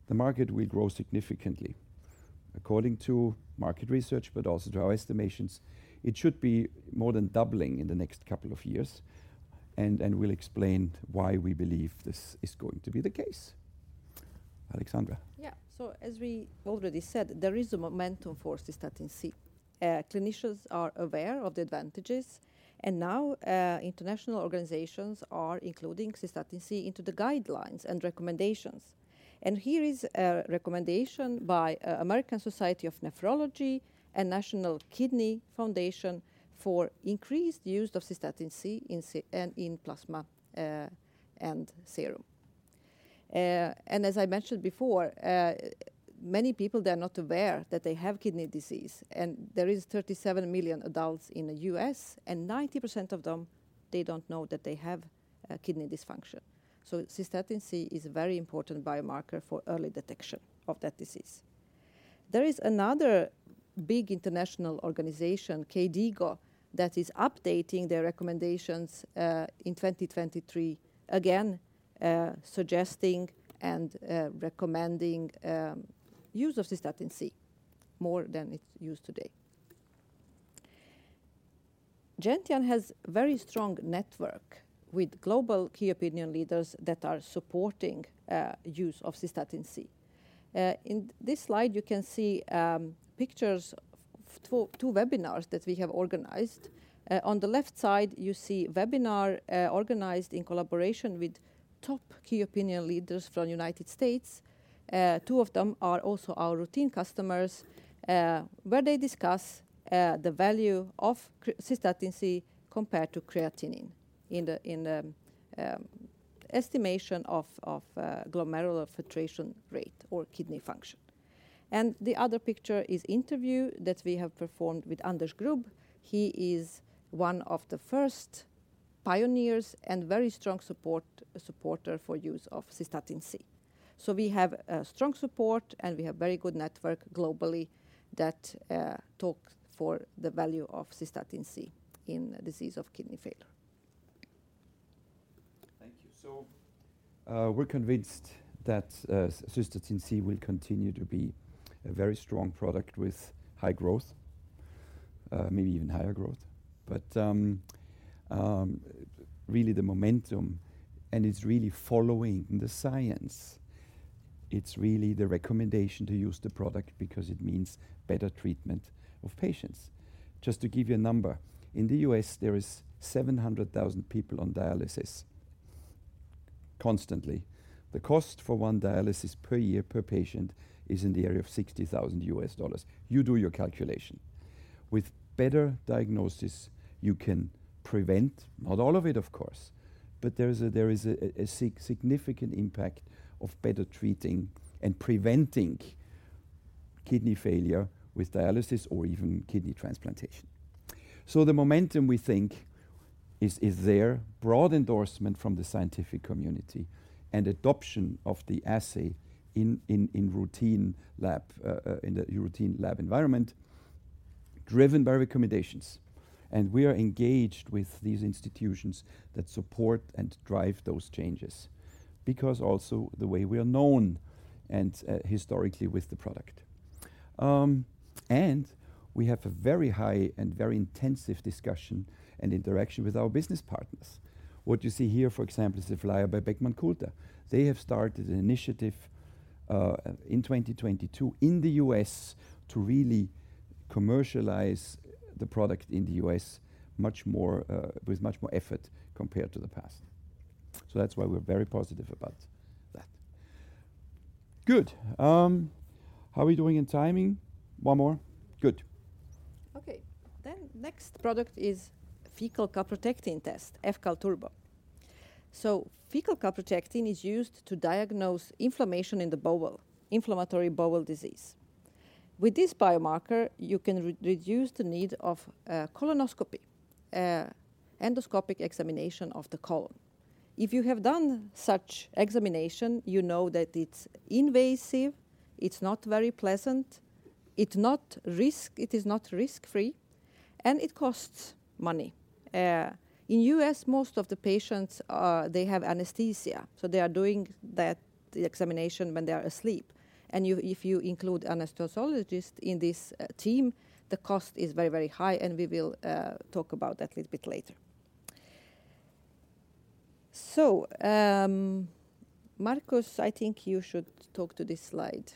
the market will grow significantly according to market research but also to our estimations it should be more than doubling in the next couple of years and we'll explain why we believe this is going to be the case. Aleksandra. Yeah. As we already said, there is a momentum for Cystatin C. Clinicians are aware of the advantages and now international organizations are including Cystatin C into the guidelines and recommendations. Here is a recommendation by American Society of Nephrology and National Kidney Foundation for increased use of Cystatin C in plasma and serum. As I mentioned before, many people they're not aware that they have kidney disease and there is 37 million adults in the U.S. and 90% of them they don't know that they have a kidney dysfunction. Cystatin C is a very important biomarker for early detection of that disease. There is another big international organization, KDIGO, that is updating their recommendations in 2023, again, suggesting and recommending use of Cystatin C more than it's used today. Gentian has very strong network with global key opinion leaders that are supporting use of Cystatin C. In this slide, you can see pictures of two webinars that we have organized. On the left side, you see webinar organized in collaboration with top key opinion leaders from United States, two of them are also our routine customers, where they discuss the value of Cystatin C compared to creatinine in the estimation of glomerular filtration rate or kidney function. The other picture is interview that we have performed with Anders Grubb. He is one of the first pioneers and very strong supporter for use of Cystatin C. We have strong support, and we have very good network globally that talk for the value of Cystatin C in disease of kidney failure. Thank you. We're convinced that Cystatin C will continue to be a very strong product with high growth, maybe even higher growth. Really the momentum and it's really following the science. It's really the recommendation to use the product because it means better treatment of patients. Just to give you a number, in the U.S., there is 700,000 people on dialysis constantly. The cost for one dialysis per year per patient is in the area of $60,000. You do your calculation. With better diagnosis, you can prevent, not all of it, of course, but there is a significant impact of better treating and preventing kidney failure with dialysis or even kidney transplantation. The momentum we think is there, broad endorsement from the scientific community and adoption of the assay in routine lab environment, driven by recommendations. We are engaged with these institutions that support and drive those changes because also the way we are known and historically with the product. We have a very high and very intensive discussion and interaction with our business partners. What you see here, for example, is the flyer by Beckman Coulter. They have started an initiative in 2022 in the U.S. to really commercialize the product in the U.S. much more with much more effort compared to the past. That's why we're very positive about that. Good. How are we doing in timing? One more? Good. Next product is fecal calprotectin test, fCAL turbo. Fecal calprotectin is used to diagnose inflammation in the bowel, inflammatory bowel disease. With this biomarker, you can reduce the need of colonoscopy, endoscopic examination of the colon. If you have done such examination, you know that it's invasive, it's not very pleasant, it is not risk-free, and it costs money. In U.S., most of the patients, they have anesthesia, so they are doing that, the examination when they are asleep. You, if you include anesthesiologist in this team, the cost is very, very high, and we will talk about that little bit later. Markus, I think you should talk to this slide.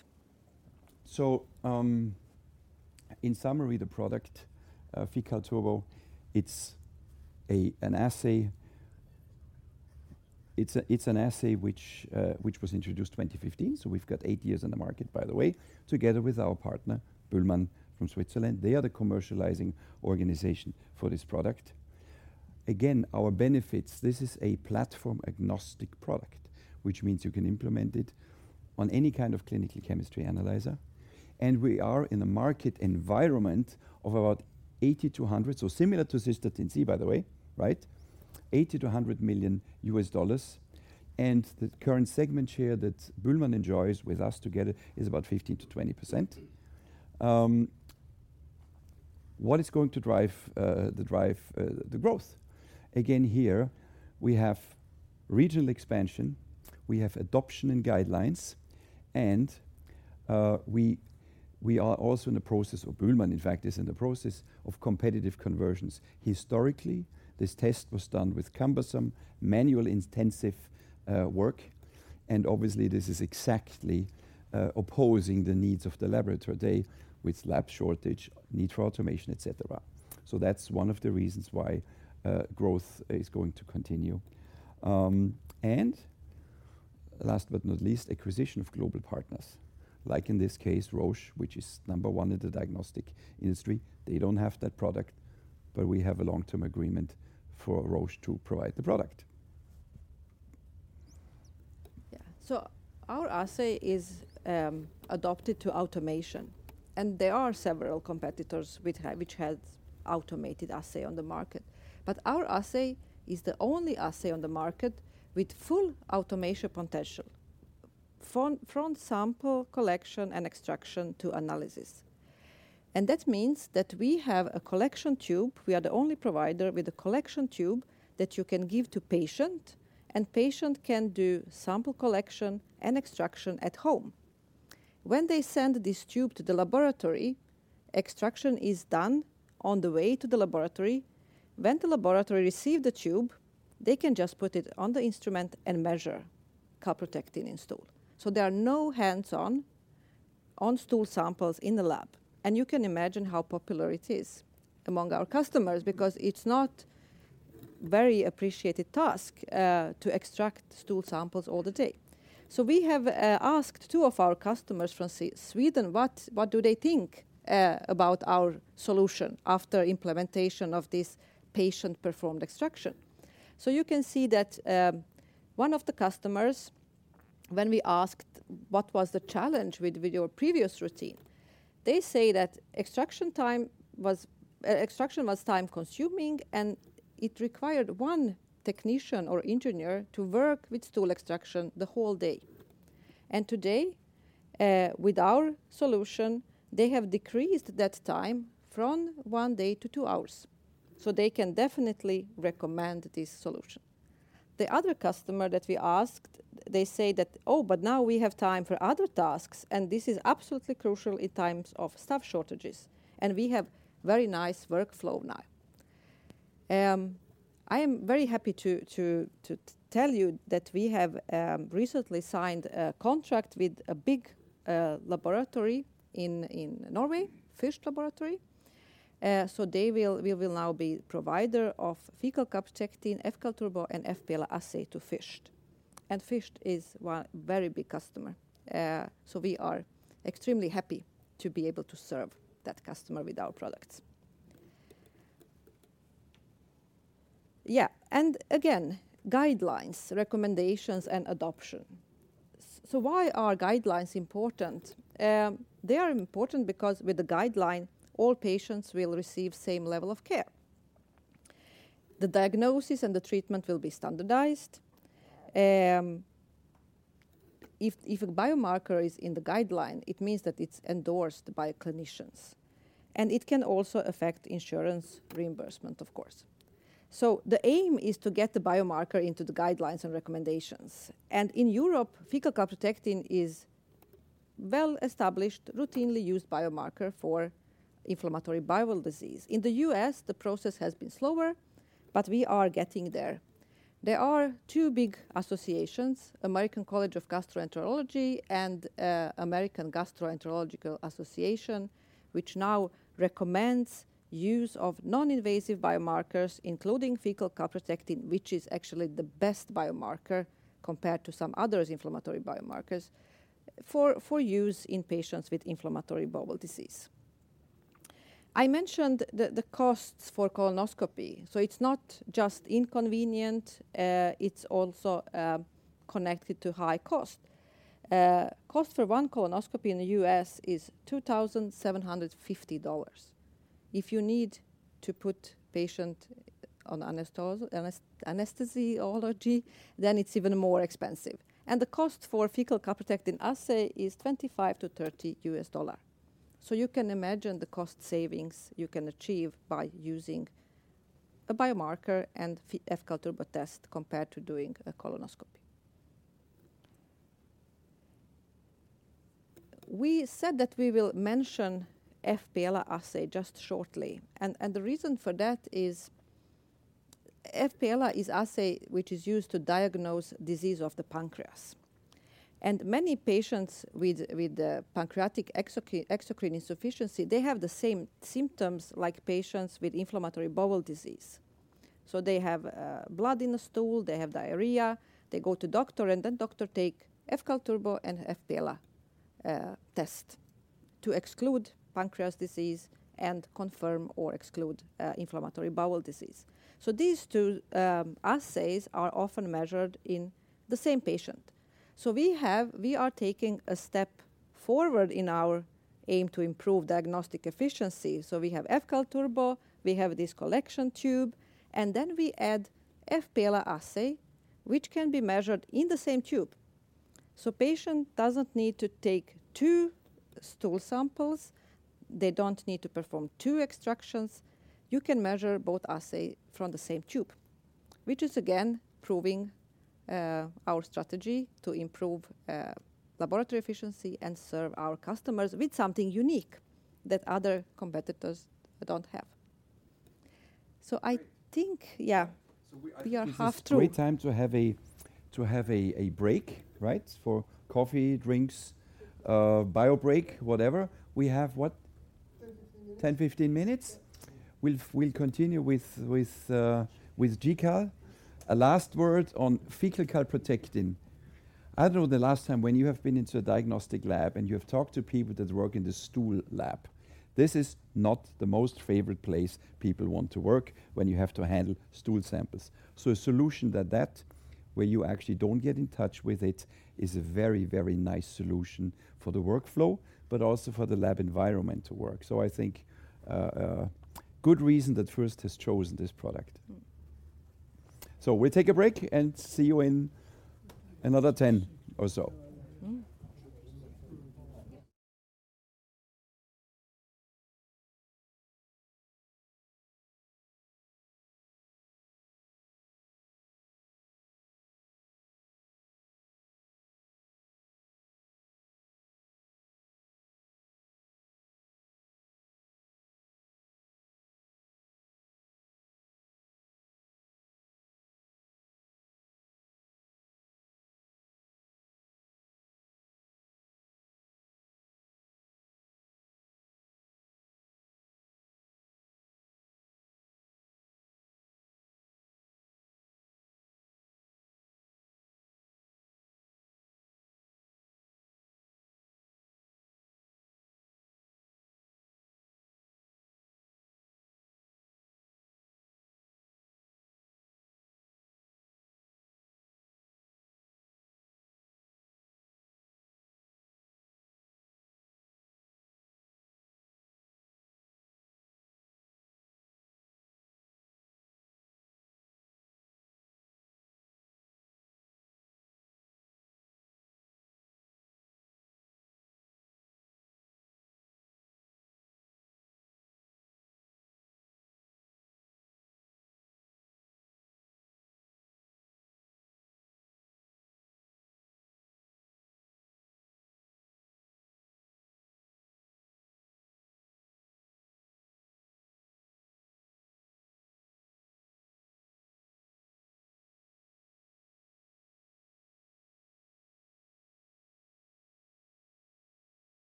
In summary, the product, fCAL turbo, it's an assay which was introduced 2015, so we've got 8 years in the market, by the way, together with our partner, BÜHLMANN from Switzerland. They are the commercializing organization for this product. Again, our benefits, this is a platform-agnostic product, which means you can implement it on any kind of clinical chemistry analyzer. We are in a market environment of about 80-100, so similar to Cystatin C, by the way, right? $80 million-$100 million. The current segment share that BÜHLMANN enjoys with us together is about 15%-20%. What is going to drive the growth? Here we have regional expansion, we have adoption and guidelines, we are also in the process, or BÜHLMANN, in fact, is in the process of competitive conversions. Historically, this test was done with cumbersome, manual intensive work, and obviously this is exactly opposing the needs of the laboratory today with lab shortage, need for automation, etc.. That's one of the reasons why growth is going to continue. Last but not least, acquisition of global partners, like in this case, Roche, which is number one in the diagnostic industry. They don't have that product, but we have a long-term agreement for Roche to provide the product. Yeah. Our assay is adopted to automation, and there are several competitors which has automated assay on the market. Our assay is the only assay on the market with full automation potential from sample collection and extraction to analysis. That means that we have a collection tube. We are the only provider with a collection tube that you can give to patient, and patient can do sample collection and extraction at home. When they send this tube to the laboratory, extraction is done on the way to the laboratory. When the laboratory receive the tube, they can just put it on the instrument and measure calprotectin in stool. There are no hands-on on stool samples in the lab, and you can imagine how popular it is among our customers because it is not very appreciated task to extract stool samples all the day. We have asked two of our customers from Sweden what do they think about our solution after implementation of this patient-performed extraction. You can see that one of the customers, when we asked what was the challenge with your previous routine, they say that extraction was time-consuming, and it required one technician or engineer to work with stool extraction the whole day. Today, with our solution, they have decreased that time from one day to two hours, so they can definitely recommend this solution. The other customer that we asked, they say that, "Oh, now we have time for other tasks, and this is absolutely crucial in times of staff shortages, and we have very nice workflow now." I am very happy to tell you that we have recently signed a contract with a big laboratory in Norway, FHI Laboratory. We will now be provider of fecal calprotectin fCAL turbo and fPELA assay to FHI. FHI is one very big customer, so we are extremely happy to be able to serve that customer with our products. Yeah. Again, guidelines, recommendations, and adoption. Why are guidelines important? They are important because with the guideline, all patients will receive same level of care. The diagnosis and the treatment will be standardized. If a biomarker is in the guideline, it means that it's endorsed by clinicians, and it can also affect insurance reimbursement, of course. The aim is to get the biomarker into the guidelines and recommendations. In Europe, fecal calprotectin is well-established, routinely used biomarker for inflammatory bowel disease. In the U.S., the process has been slower, but we are getting there. There are two big associations, American College of Gastroenterology and American Gastroenterological Association, which now recommends use of non-invasive biomarkers, including fecal calprotectin, which is actually the best biomarker compared to some others inflammatory biomarkers for use in patients with inflammatory bowel disease. I mentioned the costs for colonoscopy, so it's not just inconvenient, it's also connected to high cost. Cost for one colonoscopy in the U.S. is $2,750. If you need to put patient on anesthesiology, it's even more expensive. The cost for fecal calprotectin assay is $25-$30. You can imagine the cost savings you can achieve by using a biomarker and fCAL turbo test compared to doing a colonoscopy. We said that we will mention fPELA assay just shortly. The reason for that is fPELA is assay which is used to diagnose disease of the pancreas. Many patients with pancreatic exocrine insufficiency, they have the same symptoms like patients with inflammatory bowel disease. They have blood in the stool, they have diarrhea, they go to doctor take fCAL turbo and fPELA test to exclude pancreas disease and confirm or exclude inflammatory bowel disease. These two assays are often measured in the same patient. We are taking a step forward in our aim to improve diagnostic efficiency. We have fCAL turbo, we have this collection tube, and then we add fPELA assay, which can be measured in the same tube. Patient doesn't need to take two stool samples. They don't need to perform two extractions. You can measure both assay from the same tube, which is again proving our strategy to improve laboratory efficiency and serve our customers with something unique that other competitors don't have. I think, yeah, we are half through. I think this is great time to have a break, right? For coffee, drinks, bio break, whatever. We have what? 10, 15 minutes. 10, 15 minutes. Yep. We'll continue with GCAL. A last word on fecal calprotectin. I don't know the last time when you have been into a diagnostic lab, and you have talked to people that work in the stool lab. This is not the most favorite place people want to work when you have to handle stool samples. A solution that where you actually don't get in touch with it is a very, very nice solution for the workflow but also for the lab environment to work. I think good reason that first has chosen this product. So we take a break and see you in another 10 or so.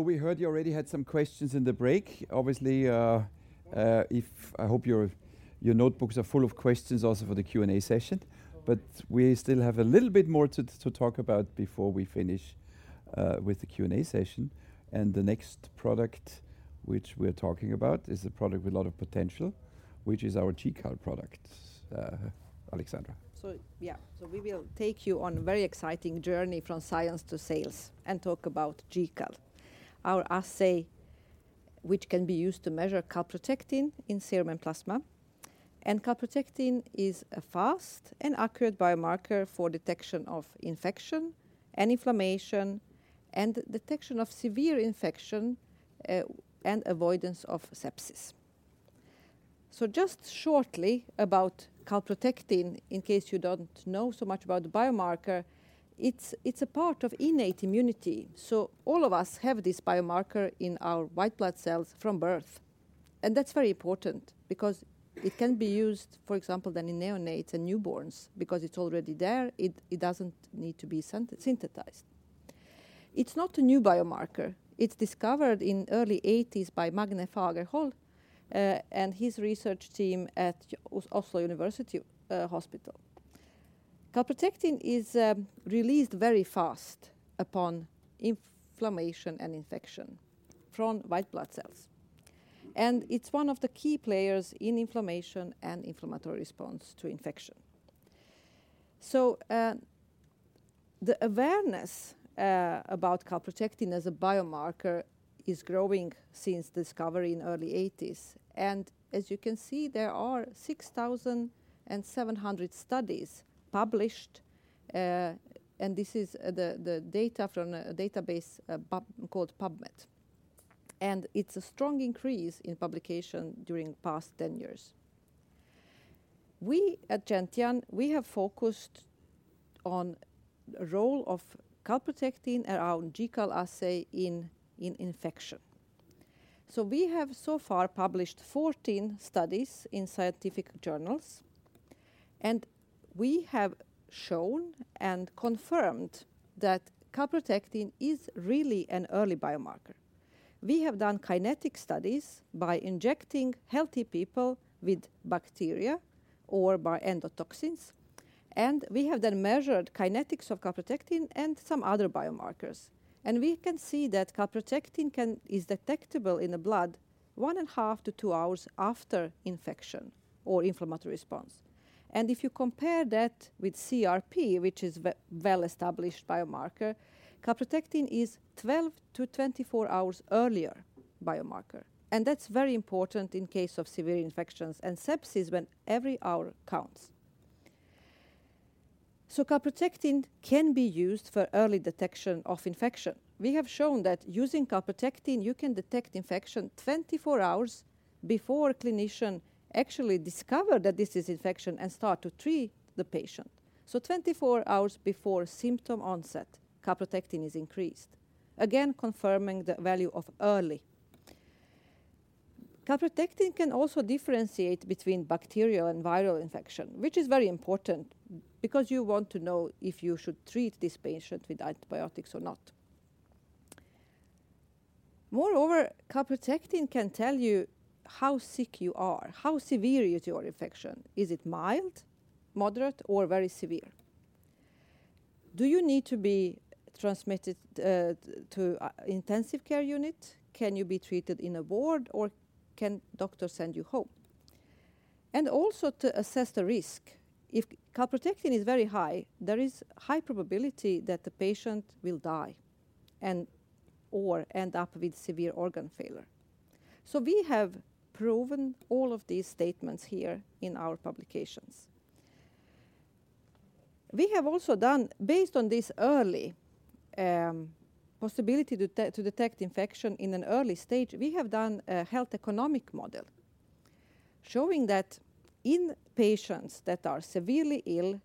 Mm. We heard you already had some questions in the break. Obviously, I hope your notebooks are full of questions also for the Q&A session. We still have a little bit more to talk about before we finish with the Q&A session. The next product which we're talking about is a product with a lot of potential, which is our GCAL product. Alexandra. We will take you on a very exciting journey from science to sales and talk about GCAL®, our assay which can be used to measure calprotectin in serum and plasma. Calprotectin is a fast and accurate biomarker for detection of infection and inflammation and detection of severe infection and avoidance of sepsis. Just shortly about calprotectin, in case you don't know so much about the biomarker, it's a part of innate immunity. All of us have this biomarker in our white blood cells from birth. That's very important because it can be used, for example, then in neonates and newborns, because it's already there, it doesn't need to be synthesized. It's not a new biomarker. It's discovered in early 80s by Magne Fagerholm and his research team at Oslo University Hospital. Calprotectin is released very fast upon inflammation and infection from white blood cells, and it's one of the key players in inflammation and inflammatory response to infection. The awareness about calprotectin as a biomarker is growing since discovery in early 80s, and as you can see, there are 6,700 studies published. This is the data from a database called PubMed, and it's a strong increase in publication during past 10 years. We at Gentian, we have focused on role of calprotectin and our GCAL assay in infection. We have so far published 14 studies in scientific journals, and we have shown and confirmed that calprotectin is really an early biomarker. We have done kinetic studies by injecting healthy people with bacteria or by endotoxins. We have then measured kinetics of calprotectin and some other biomarkers. We can see that calprotectin is detectable in the blood 1.5 to 2 hours after infection or inflammatory response. If you compare that with CRP, which is a well-established biomarker, calprotectin is a 12 to 24 hours earlier biomarker. That's very important in case of severe infections and sepsis when every hour counts. Calprotectin can be used for early detection of infection. We have shown that using calprotectin, you can detect infection 24 hours before clinician actually discover that this is infection and start to treat the patient. 24 hours before symptom onset, calprotectin is increased, again, confirming the value of early. Calprotectin can also differentiate between bacterial and viral infection, which is very important because you want to know if you should treat this patient with antibiotics or not. Calprotectin can tell you how sick you are, how severe is your infection. Is it mild, moderate, or very severe? Do you need to be transmitted to intensive care unit? Can you be treated in a ward, or can doctor send you home? Also to assess the risk. If Calprotectin is very high, there is high probability that the patient will die and or end up with severe organ failure. We have proven all of these statements here in our publications. We have also done, based on this early, possibility to detect infection in an early stage, we have done a health economic model showing that in patients that are severely ill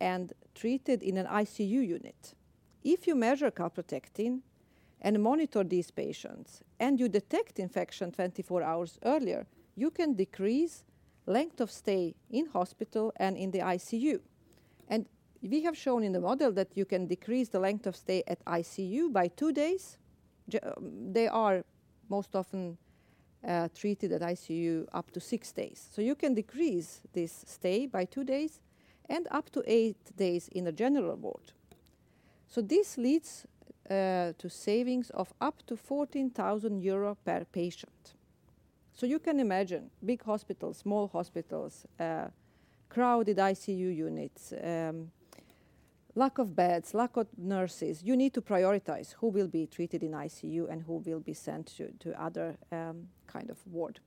and treated in an ICU unit, if you measure calprotectin and monitor these patients and you detect infection 24 hours earlier, you can decrease length of stay in hospital and in the ICU. We have shown in the model that you can decrease the length of stay at ICU by two days. They are most often, treated at ICU up to six days. You can decrease this stay by two days and up to eight days in a general ward. This leads to savings of up to 14,000 euro per patient. You can imagine big hospitals, small hospitals, crowded ICU units, lack of beds, lack of nurses. You need to prioritize who will be treated in ICU and who will be sent to other kind of ward.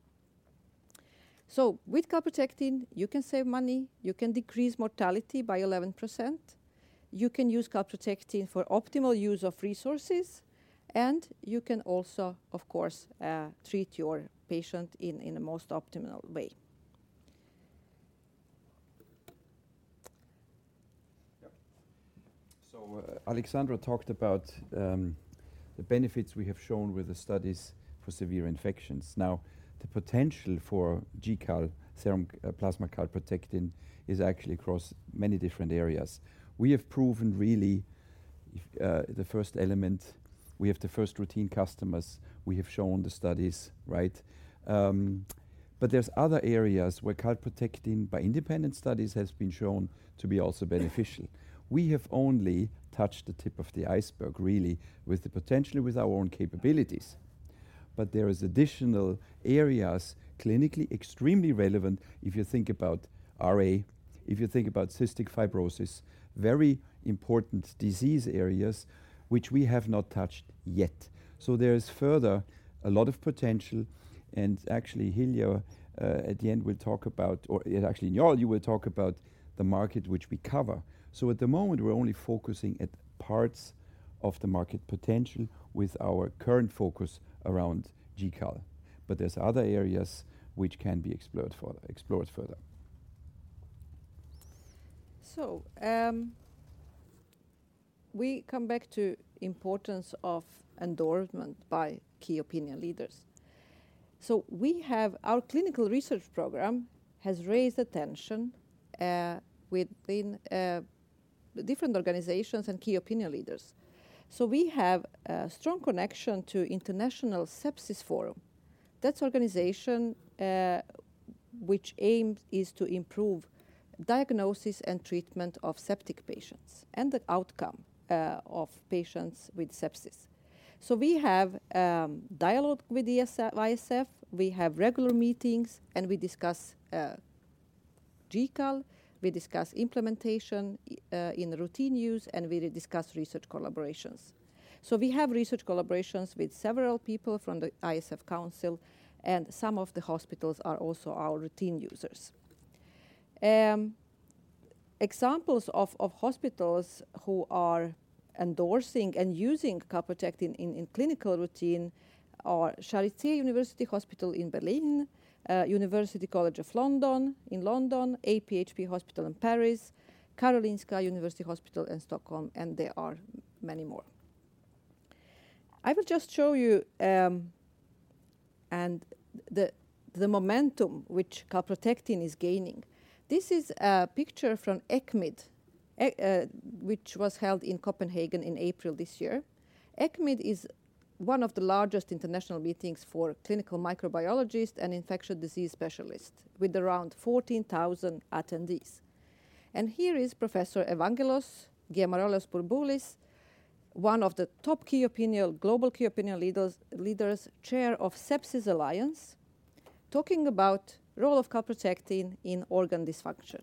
With calprotectin, you can save money, you can decrease mortality by 11%, you can use calprotectin for optimal use of resources, and you can also, of course, treat your patient in a most optimal way. Alexandra talked about the benefits we have shown with the studies for severe infections. The potential for GCAL, serum, plasma calprotectin, is actually across many different areas. We have proven really the first element. We have the first routine customers. We have shown the studies, right? There's other areas where calprotectin by independent studies has been shown to be also beneficial. We have only touched the tip of the iceberg really with the potential with our own capabilities. There is additional areas clinically extremely relevant if you think about RA, if you think about cystic fibrosis, very important disease areas which we have not touched yet. There is further a lot of potential, and actually, Hilja, at the end will talk about or, actually, Njaal, you will talk about the market which we cover. At the moment, we're only focusing at parts of the market potential with our current focus around GCAL, there's other areas which can be explored further. We come back to importance of endorsement by Key Opinion Leaders. Our clinical research program has raised attention within different organizations and Key Opinion Leaders. We have a strong connection to International Sepsis Forum. That's organization which aim is to improve diagnosis and treatment of septic patients and the outcome of patients with sepsis. We have dialogue with the ISF. We have regular meetings, and we discuss GCAL. We discuss implementation in routine use, and we discuss research collaborations. We have research collaborations with several people from the ISF council, and some of the hospitals are also our routine users. Examples of hospitals who are endorsing and using calprotectin in clinical routine are Charité University Hospital in Berlin, University College London in London, AP-HP Hospital in Paris, Karolinska University Hospital in Stockholm, and there are many more. I will just show you the momentum which calprotectin is gaining. This is a picture from ECCMID which was held in Copenhagen in April this year. ECCMID is one of the largest international meetings for clinical microbiologists and infectious disease specialists, with around 14,000 attendees. Here is Professor Evangelos Giamarellos-Bourboulis, one of the top global key opinion leaders, Chair of Sepsis Alliance, talking about role of calprotectin in organ dysfunction.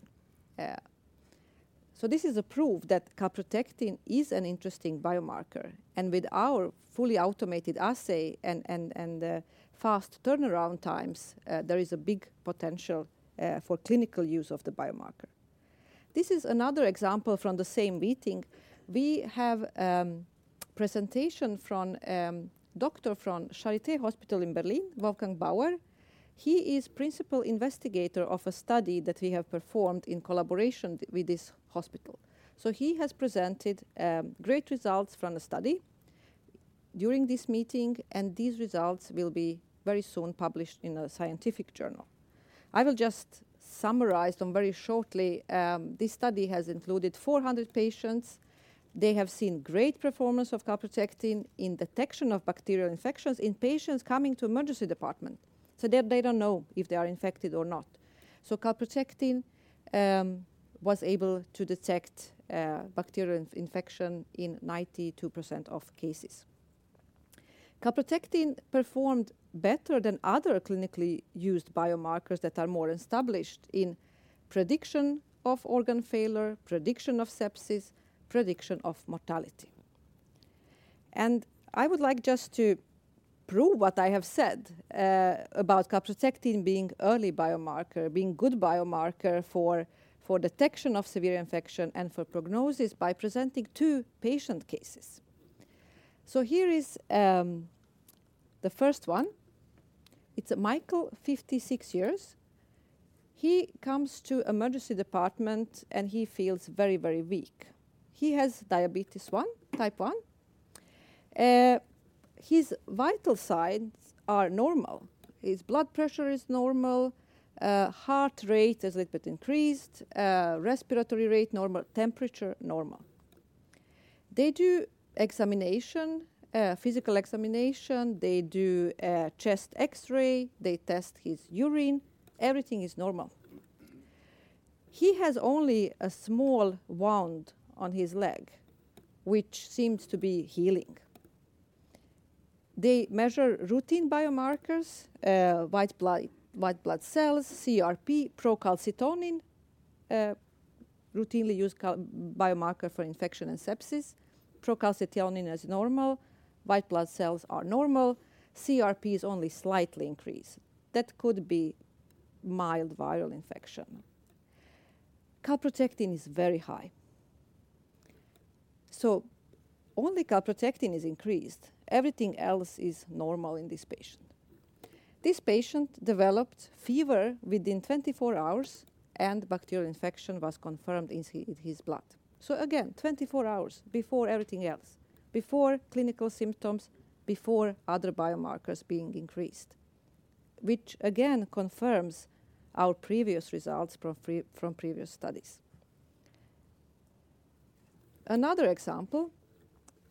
This is a proof that calprotectin is an interesting biomarker, and with our fully automated assay and fast turnaround times, there is a big potential for clinical use of the biomarker. This is another example from the same meeting. We have a presentation from doctor from Charité in Berlin, Wolfgang Bauer. He is principal investigator of a study that we have performed in collaboration with this hospital. He has presented great results from the study during this meeting, and these results will be very soon published in a scientific journal. I will just summarize them very shortly. This study has included 400 patients. They have seen great performance of calprotectin in detection of bacterial infections in patients coming to emergency department, so they don't know if they are infected or not. Calprotectin was able to detect bacterial infection in 92% of cases. Calprotectin performed better than other clinically used biomarkers that are more established in prediction of organ failure, prediction of sepsis, prediction of mortality. I would like just to prove what I have said about calprotectin being early biomarker, being good biomarker for detection of severe infection and for prognosis by presenting two patient cases. Here is the first one. It's Michael, 56 years. He comes to emergency department, and he feels very, very weak. He has diabetes type 1. His vital signs are normal. His blood pressure is normal. Heart rate is a little bit increased. Respiratory rate, normal. Temperature, normal. They do examination, physical examination. They do a chest X-ray. They test his urine. Everything is normal. He has only a small wound on his leg, which seems to be healing. They measure routine biomarkers, white blood cells, CRP, procalcitonin, routinely used biomarker for infection and sepsis. Procalcitonin is normal. White blood cells are normal. CRP is only slightly increased. That could be mild viral infection. Calprotectin is very high. Only calprotectin is increased. Everything else is normal in this patient. This patient developed fever within 24 hours. Bacterial infection was confirmed in his blood. Again, 24 hours before everything else, before clinical symptoms, before other biomarkers being increased, which again confirms our previous results from previous studies. Another example,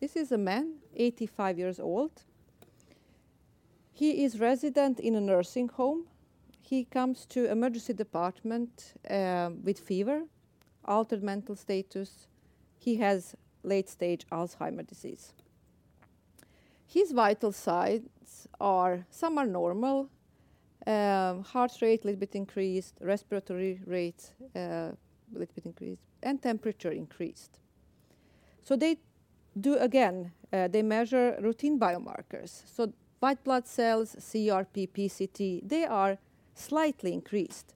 this is a man, 85 years old. He is resident in a nursing home. He comes to emergency department with fever, altered mental status. He has late-stage Alzheimer disease. His vital signs. Some are normal. Heart rate little bit increased, respiratory rate little bit increased, temperature increased. They measure routine biomarkers. White blood cells, CRP, PCT, they are slightly increased.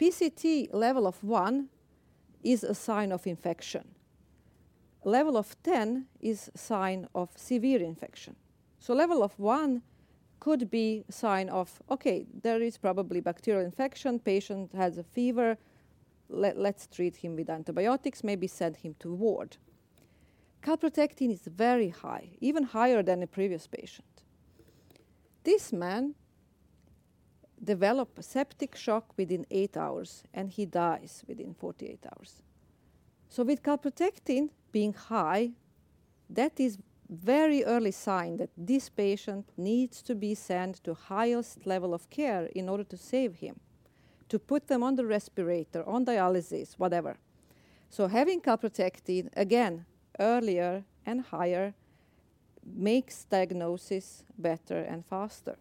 PCT level of 1 is a sign of infection. Level of 10 is sign of severe infection. Level of 1 could be sign of, okay, there is probably bacterial infection. Patient has a fever. Let's treat him with antibiotics, maybe send him to ward. Calprotectin is very high, even higher than the previous patient. This man developed septic shock within 8 hours, and he dies within 48 hours. With calprotectin being high, that is very early sign that this patient needs to be sent to highest level of care in order to save him, to put them on the respirator, on dialysis, whatever. Having calprotectin, again, earlier and higher makes diagnosis better and faster.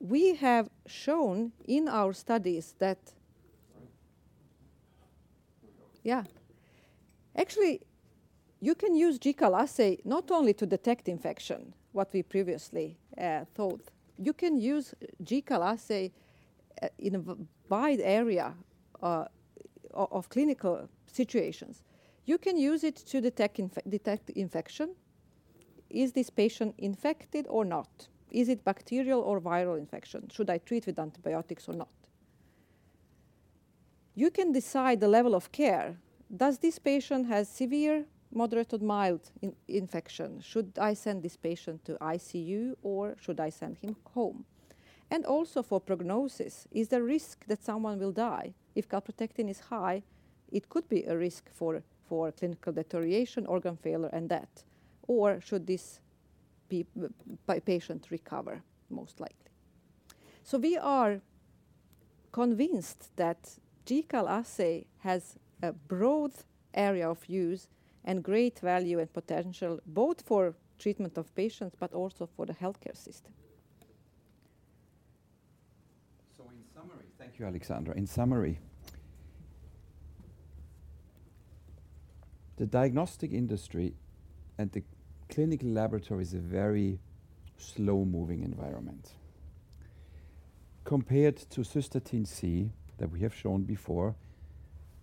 We have shown in our studies that. Actually, you can use GCAL assay not only to detect infection, what we previously thought. You can use GCAL assay in a wide area of clinical situations. You can use it to detect infection. Is this patient infected or not? Is it bacterial or viral infection? Should I treat with antibiotics or not? You can decide the level of care. Does this patient has severe, moderate, or mild infection? Should I send this patient to ICU, or should I send him home? Also for prognosis, is there risk that someone will die? If calprotectin is high, it could be a risk for clinical deterioration, organ failure and death. Should this patient recover, most likely. We are convinced that GCAL assay has a broad area of use and great value and potential both for treatment of patients but also for the healthcare system. Thank you, Aleksandra. In summary, the diagnostic industry and the clinical laboratory is a very slow-moving environment. Compared to Cystatin C that we have shown before,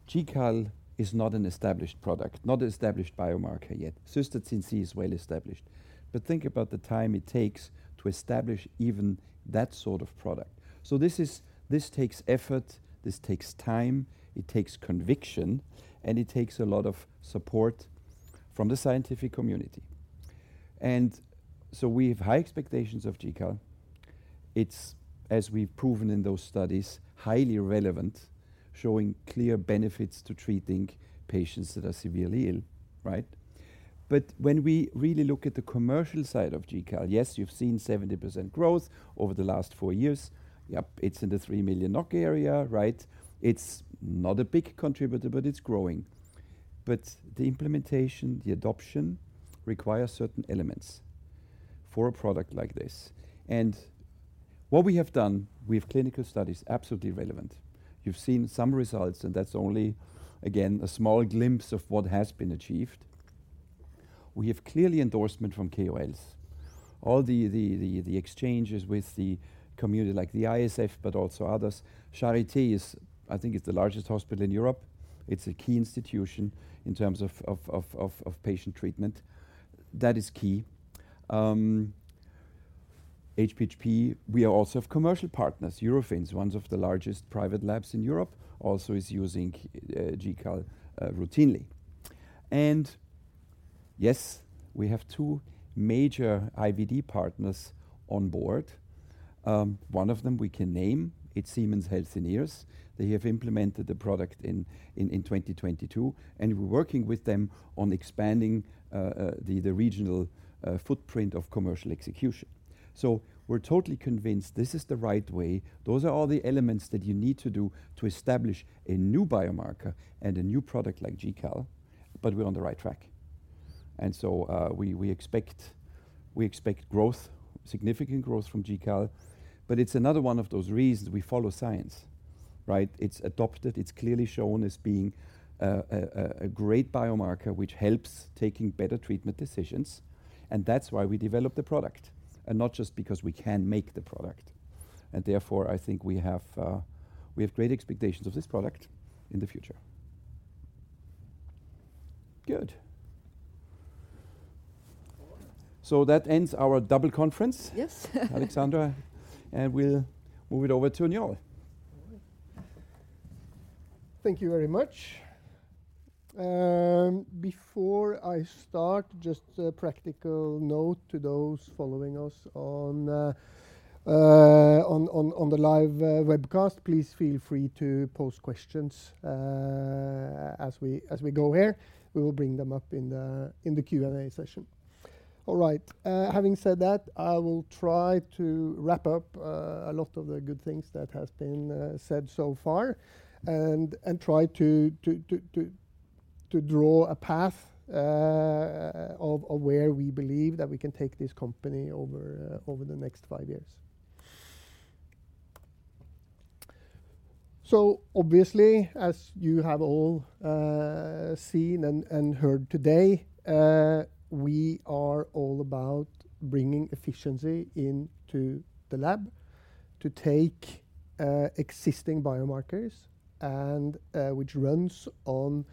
GCAL is not an established product, not an established biomarker yet. Cystatin C is well established. Think about the time it takes to establish even that sort of product. This takes effort, this takes time, it takes conviction, and it takes a lot of support from the scientific community. We have high expectations of GCAL. It's, as we've proven in those studies, highly relevant, showing clear benefits to treating patients that are severely ill, right? When we really look at the commercial side of GCAL, yes, you've seen 70% growth over the last four years. Yep, it's in the 3 million NOK area, right? It's not a big contributor, but it's growing. The implementation, the adoption requires certain elements for a product like this. What we have done with clinical studies, absolutely relevant. You've seen some results, and that's only, again, a small glimpse of what has been achieved. We have clearly endorsement from KOLs. All the exchanges with the community like the ISF, but also others. Charité is, I think it's the largest hospital in Europe. It's a key institution in terms of patient treatment. That is key. HPHP, we also have commercial partners. Eurofins, one of the largest private labs in Europe, also is using GCAL routinely. Yes, we have two major IVD partners on board. One of them we can name, it's Siemens Healthineers. They have implemented the product in 2022, and we're working with them on expanding the regional footprint of commercial execution. We're totally convinced this is the right way. Those are all the elements that you need to do to establish a new biomarker and a new product like GCAL, but we're on the right track. We expect growth, significant growth from GCAL, but it's another one of those reasons we follow science, right? It's adopted. It's clearly shown as being a great biomarker, which helps taking better treatment decisions, and that's why we developed the product, and not just because we can make the product. I think we have great expectations of this product in the future. Good. That ends our double conference. Yes. Alexandra, we'll move it over to Njaal. Thank you very much. Before I start, just a practical note to those following us on the live webcast. Please feel free to post questions as we go here. We will bring them up in the Q&A session. All right, having said that, I will try to wrap up a lot of the good things that has been said so far and try to draw a path of where we believe that we can take this company over the next five years. Obviously, as you have all, seen and, heard today, we are all about bringing efficiency into the lab to take, existing biomarkers and, which runs on,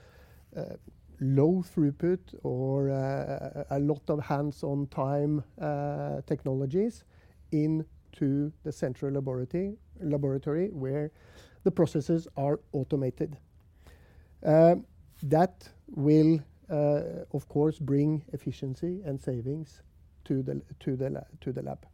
low throughput or, a lot of hands-on time, technologies into the central laboratory where the processes are automated. That will, of course, bring efficiency and savings to the lab.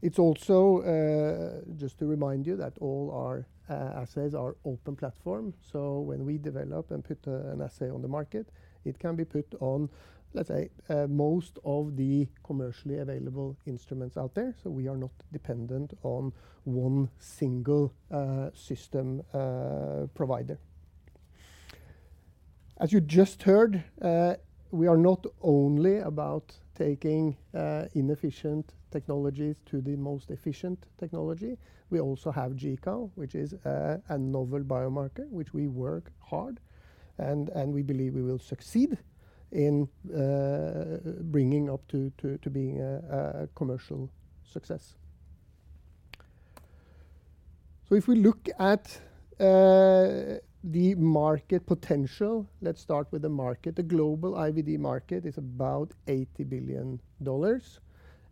It's also, just to remind you that all our, assays are open platform. When we develop and put, an assay on the market, it can be put on, let's say, most of the commercially available instruments out there. We are not dependent on one single, system, provider. You just heard, we are not only about taking, inefficient technologies to the most efficient technology. We also have GCAL®, which is a novel biomarker, which we work hard and we believe we will succeed in bringing up to being a commercial success. If we look at the market potential, let's start with the market. The global IVD market is about $80 billion,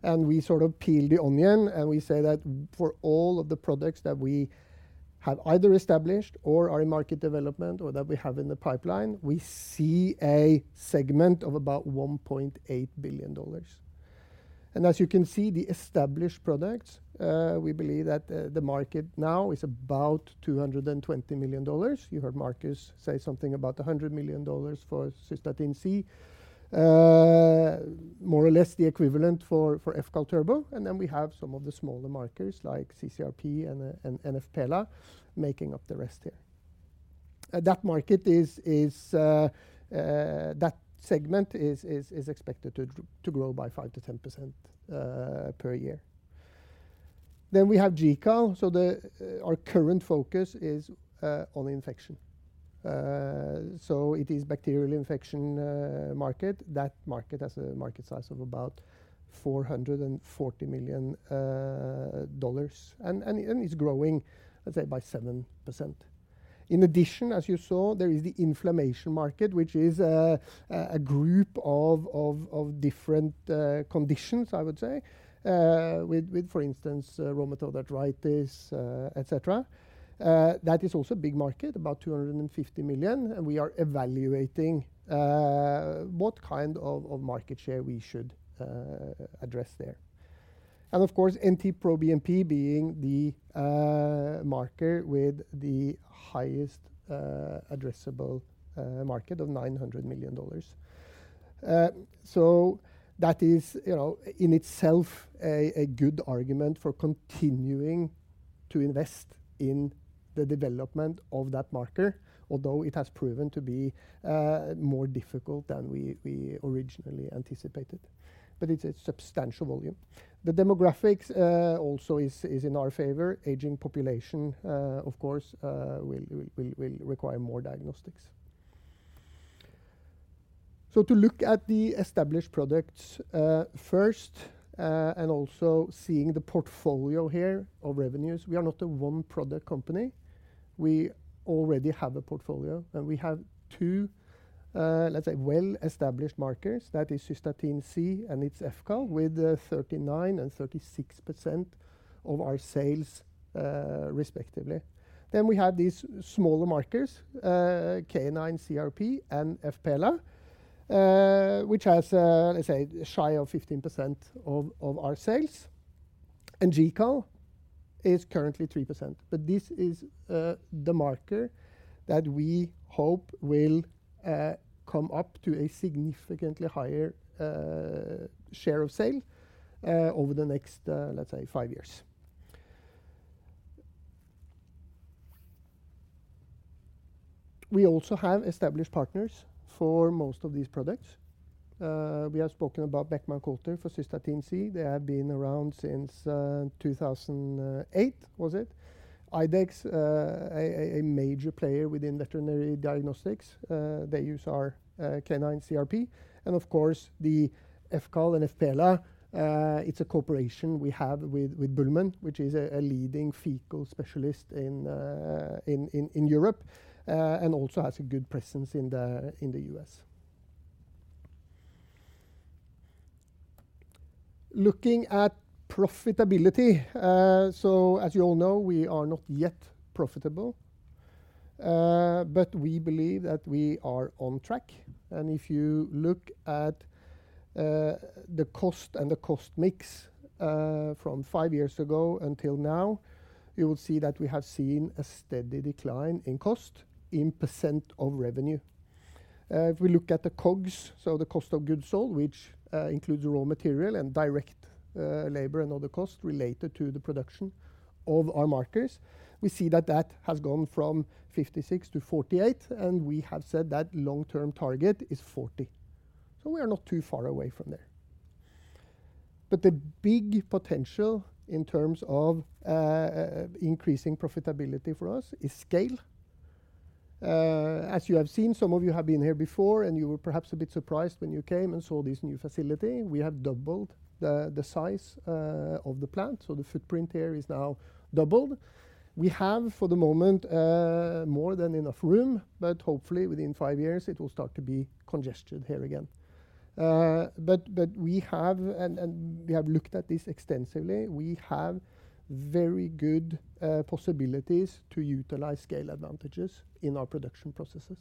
and we sort of peel the onion, and we say that for all of the products that we have either established or are in market development or that we have in the pipeline, we see a segment of about $1.8 billion. As you can see, the established products, we believe that the market now is about $220 million. You heard Markus say something about $100 million for Cystatin C. More or less the equivalent for fCAL turbo. We have some of the smaller markers like cCRP and fPELA making up the rest here. That market segment is expected to grow by 5%-10% per year. We have GCAL. Our current focus is on infection. It is bacterial infection market. That market has a market size of about $440 million. It's growing, let's say, by 7%. In addition, as you saw, there is the inflammation market, which is a group of different conditions, I would say, with for instance, rheumatoid arthritis, etc.. That is also a big market, about $250 million, and we are evaluating what kind of market share we should address there. Of course, NT-proBNP being the marker with the highest addressable market of $900 million. That is, you know, in itself a good argument for continuing to invest in the development of that marker, although it has proven to be more difficult than we originally anticipated. It's a substantial volume. The demographics also is in our favor. Aging population, of course, will require more diagnostics. To look at the established products first, and also seeing the portfolio here of revenues, we are not a one-product company. We already have a portfolio, we have two, let's say, well-established markers, that is Cystatin C and its fCAL with 39% and 36% of our sales, respectively. We have these smaller markers, Canine CRP and fPELA, which has, let's say, shy of 15% of our sales. GCAL is currently 3%. This is the marker that we hope will come up to a significantly higher share of sale over the next, let's say, 5 years. We also have established partners for most of these products. We have spoken about Beckman Coulter for Cystatin C. They have been around since 2008, was it? IDEXX, a major player within veterinary diagnostics, they use our Canine CRP. Of course, the fCAL and fPELA, it's a cooperation we have with BÜHLMANN, which is a leading fecal specialist in Europe, and also has a good presence in the U.S. Looking at profitability, as you all know, we are not yet profitable. We believe that we are on track. If you look at the cost and the cost mix, from five years ago until now, you will see that we have seen a steady decline in cost in % of revenue. If we look at the COGS, so the cost of goods sold, which includes raw material and direct labor and other costs related to the production of our markers, we see that that has gone from 56% to 48%, and we have said that long-term target is 40%. We are not too far away from there. The big potential in terms of increasing profitability for us is scale. As you have seen, some of you have been here before, and you were perhaps a bit surprised when you came and saw this new facility. We have doubled the size of the plant, so the footprint here is now doubled. We have, for the moment, more than enough room, but hopefully within 5 years, it will start to be congested here again. We have, and we have looked at this extensively, we have very good possibilities to utilize scale advantages in our production processes.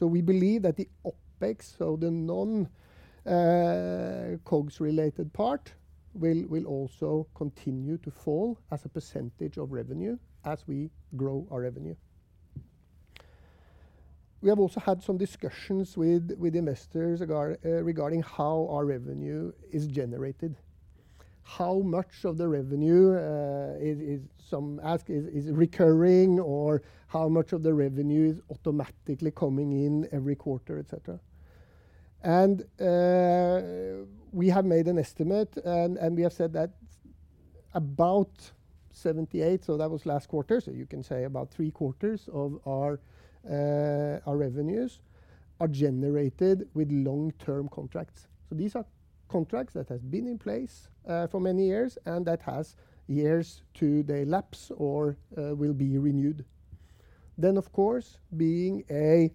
We believe that the OpEx, so the non COGS-related part, will also continue to fall as a % of revenue as we grow our revenue. We have also had some discussions with investors regarding how our revenue is generated. How much of the revenue some ask, is it recurring, or how much of the revenue is automatically coming in every quarter, etc.. We have made an estimate, and we have said that about 78, so that was last quarter, so you can say about three-quarters of our revenues are generated with long-term contracts. These are contracts that has been in place for many years and that has years to the elapse or will be renewed. Of course, being a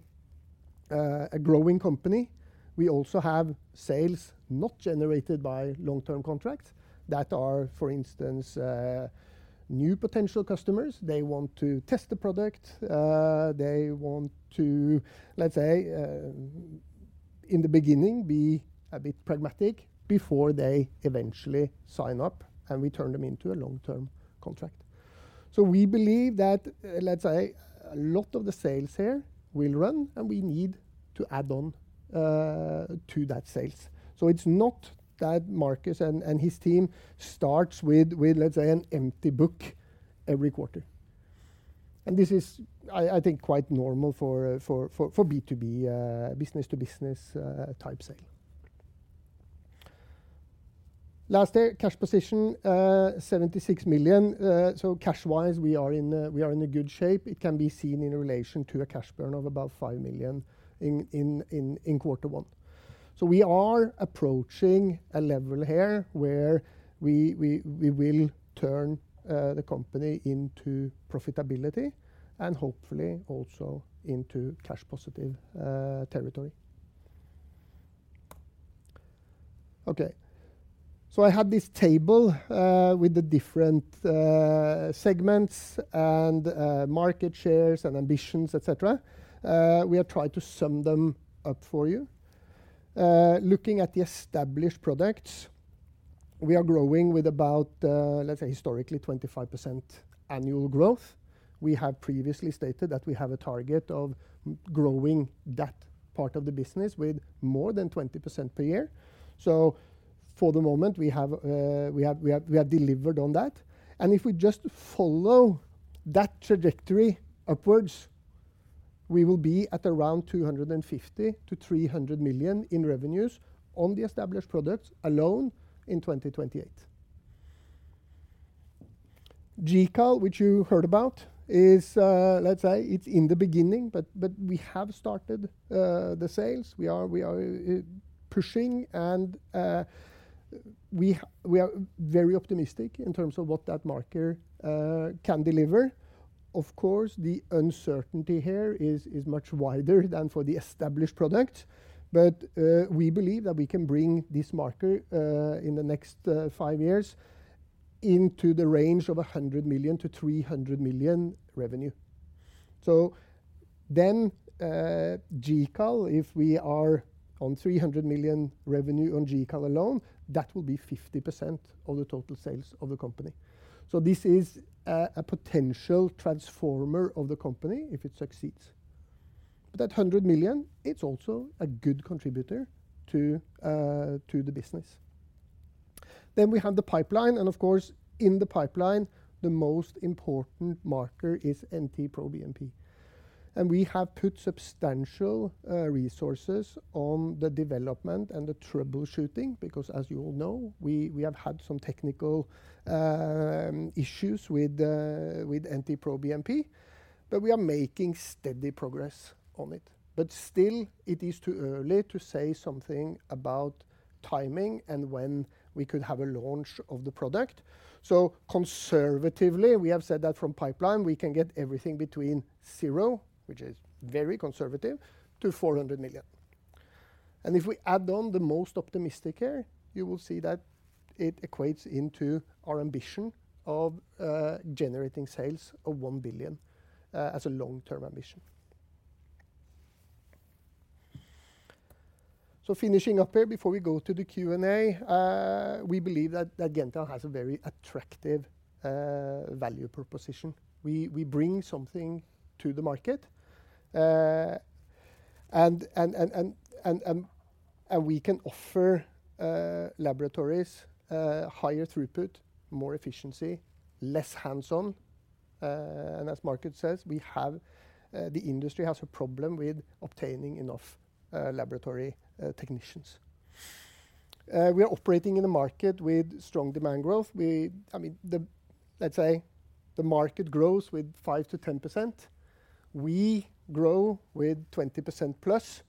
growing company, we also have sales not generated by long-term contracts that are, for instance, new potential customers. They want to test the product. They want to, let's say, in the beginning, be a bit pragmatic before they eventually sign up and we turn them into a long-term contract. We believe that, let's say, a lot of the sales here will run, and we need to add on to that sales. It's not that Markus and his team starts with, let's say, an empty book every quarter. This is, I think quite normal for B2B, business-to-business type sale. Last cash position, 76 million. Cash-wise, we are in a good shape. It can be seen in relation to a cash burn of about 5 million in quarter one. We are approaching a level here where we will turn the company into profitability and hopefully also into cash positive territory. Okay. I have this table with the different segments and market shares and ambitions, etc.. We have tried to sum them up for you. Looking at the established products, we are growing with about, let's say historically, 25% annual growth. We have previously stated that we have a target of growing that part of the business with more than 20% per year. For the moment, we have delivered on that. If we just follow that trajectory upwards, we will be at around 250 million-300 million in revenues on the established products alone in 2028. GCAL, which you heard about, is, let's say it's in the beginning, but we have started the sales. We are pushing and we are very optimistic in terms of what that marker can deliver. Of course, the uncertainty here is much wider than for the established product. We believe that we can bring this marker in the next 5 years into the range of $100 million-$300 million revenue. GCAL, if we are on $300 million revenue on GCAL alone, that will be 50% of the total sales of the company. This is a potential transformer of the company if it succeeds. That $100 million, it's also a good contributor to the business. We have the pipeline, of course, in the pipeline, the most important marker is NT-proBNP. We have put substantial resources on the development and the troubleshooting, because as you all know, we have had some technical issues with NT-proBNP, but we are making steady progress on it. Still, it is too early to say something about timing and when we could have a launch of the product. Conservatively, we have said that from pipeline, we can get everything between 0, which is very conservative, to 400 million. If we add on the most optimistic here, you will see that it equates into our ambition of generating sales of 1 billion as a long-term ambition. Finishing up here before we go to the Q&A, we believe that Gentian has a very attractive value proposition. We bring something to the market. We can offer laboratories higher throughput, more efficiency, less hands-on. As market says, we have the industry has a problem with obtaining enough laboratory technicians. We are operating in a market with strong demand growth. I mean, the, let's say, the market grows with 5%-10%. We grow with 20%+.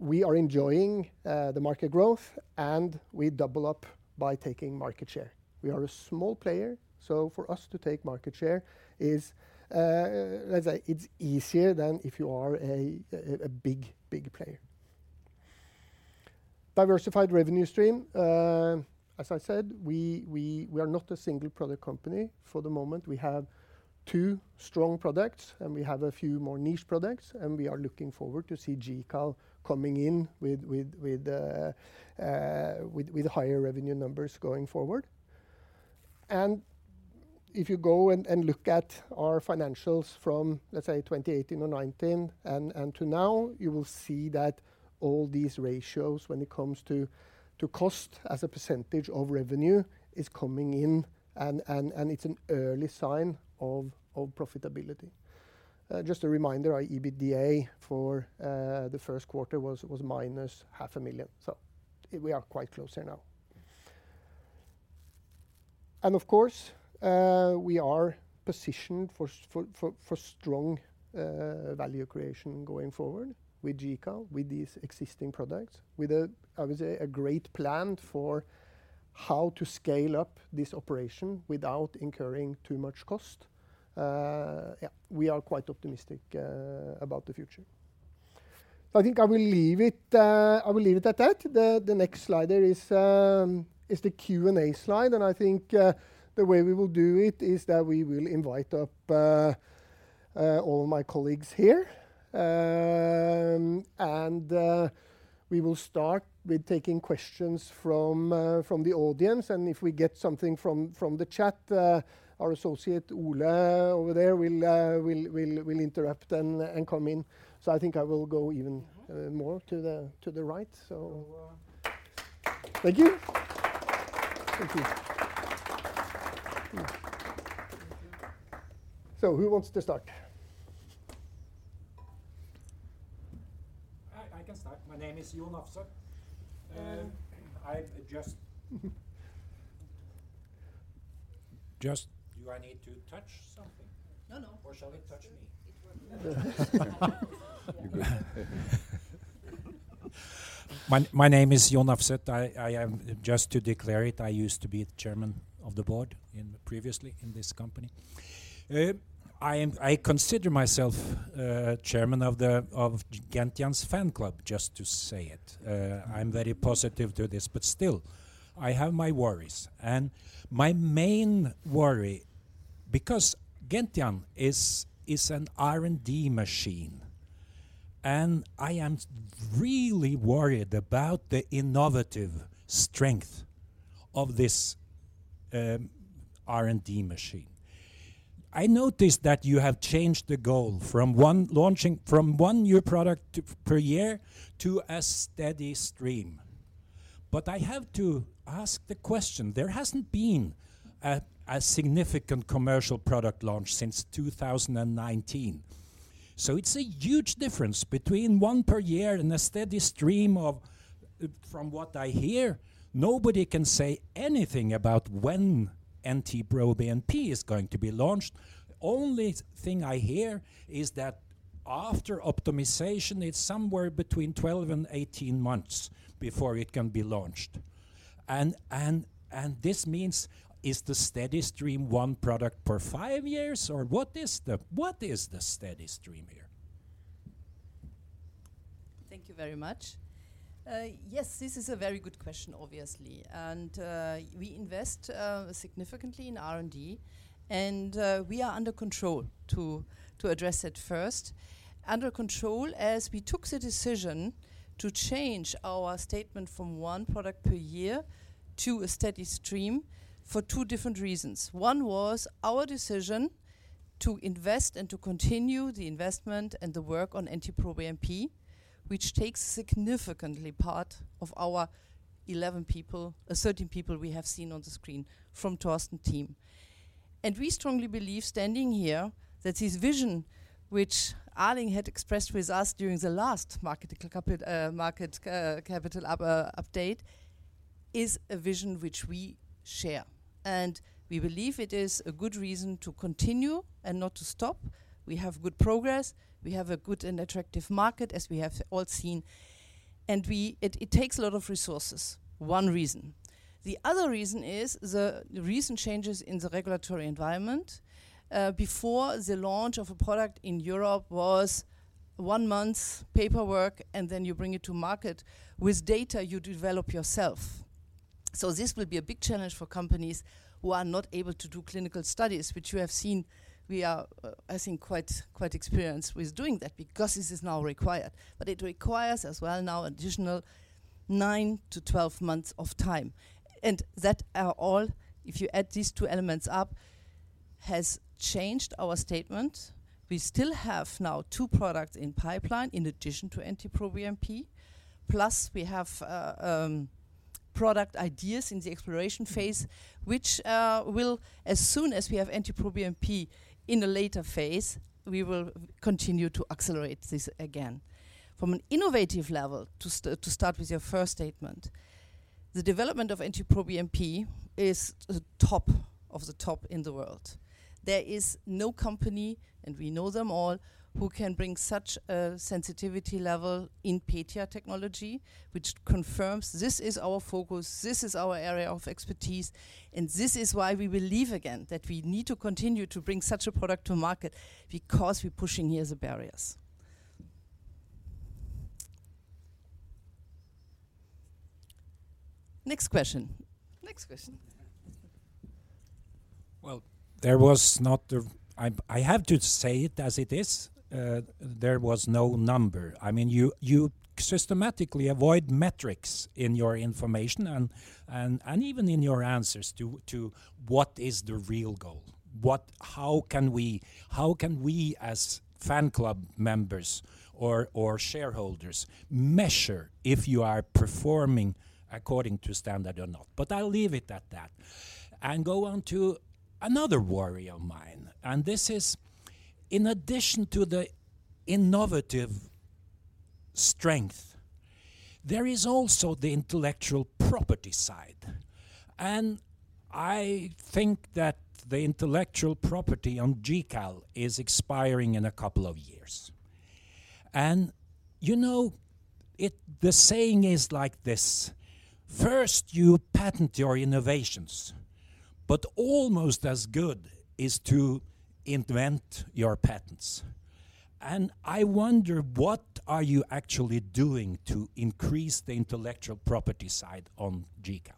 We are enjoying the market growth, and we double up by taking market share. We are a small player, so for us to take market share is, let's say it's easier than if you are a big player. Diversified revenue stream. As I said, we are not a single product company. For the moment, we have two strong products, and we have a few more niche products, and we are looking forward to see GCAL coming in with higher revenue numbers going forward. If you go and look at our financials from, let's say, 2018 or 2019 and to now, you will see that all these ratios when it comes to cost as a percentage of revenue is coming in and it's an early sign of profitability. Just a reminder, our EBITDA for the 1st quarter was NOK minus half a million. We are quite close here now. Of course, we are positioned for strong value creation going forward with GCAL, with these existing products, with a, I would say, a great plan for how to scale up this operation without incurring too much cost. Yeah, we are quite optimistic about the future. I think I will leave it, I will leave it at that. The next slide there is the Q&A slide, and I think the way we will do it is that we will invite up all my colleagues here. We will start with taking questions from the audience. If we get something from the chat, our associate, Ole, over there will interrupt and come in. I think I will go even, more to the, to the right. Thank you. Thank you. Who wants to start? I can start. My name is John Afseth, and I just Just- Do I need to touch something? No, no. Shall it touch me? It works. My name is John Afseth. I am Just to declare it, I used to be the chairman of the board previously in this company. I consider myself chairman of Gentian's fan club, just to say it. I'm very positive to this, but still I have my worries. My main worry, because Gentian is an R&D machine, and I am really worried about the innovative strength of this R&D machine. I noticed that you have changed the goal from one new product per year to a steady stream. I have to ask the question, there hasn't been a significant commercial product launch since 2019. It's a huge difference between one per year and a steady stream of... From what I hear, nobody can say anything about when NT-proBNP is going to be launched. Only thing I hear is that after optimization, it's somewhere between 12 and 18 months before it can be launched. This means is the steady stream 1 product per 5 years, or what is the steady stream here? Thank you very much. Yes, this is a very good question, obviously. We invest significantly in R&D, and we are under control to address it first. Under control as we took the decision to change our statement from one product per year to a steady stream for two different reasons. One was our decision to invest and to continue the investment and the work on NT-proBNP, which takes significantly part of our 11 people, 13 people we have seen on the screen from Torsten team. We strongly believe, standing here, that his vision, which Arling had expressed with us during the last market capital update, is a vision which we share. We believe it is a good reason to continue and not to stop. We have good progress. We have a good and attractive market, as we have all seen. It takes a lot of resources, one reason. The other reason is the recent changes in the regulatory environment. Before the launch of a product in Europe was one month paperwork, and then you bring it to market with data you develop yourself. This will be a big challenge for companies who are not able to do clinical studies, which you have seen we are, I think, quite experienced with doing that because this is now required. It requires as well now additional 9-12 months of time. That are all, if you add these two elements up, has changed our statement. We still have now two products in pipeline in addition to NT-proBNP. We have product ideas in the exploration phase, which, as soon as we have NT-proBNP in a later phase, we will continue to accelerate this again. From an innovative level, to start with your first statement, the development of NT-proBNP is the top of the top in the world. There is no company, and we know them all, who can bring such a sensitivity level in PATIA technology, which confirms this is our focus, this is our area of expertise, and this is why we believe again that we need to continue to bring such a product to market because we're pushing here the barriers. Next question. Well, there was not, I have to say it as it is, there was no number. I mean, you systematically avoid metrics in your information and even in your answers to what is the real goal. How can we as fan club members or shareholders measure if you are performing according to standard or not? I'll leave it at that and go on to another worry of mine. This is in addition to the innovative strength, there is also the intellectual property side. I think that the intellectual property on GCAL is expiring in a couple of years. You know, the saying is like this: First, you patent your innovations, but almost as good is to invent your patents. I wonder what are you actually doing to increase the intellectual property side on GCAL?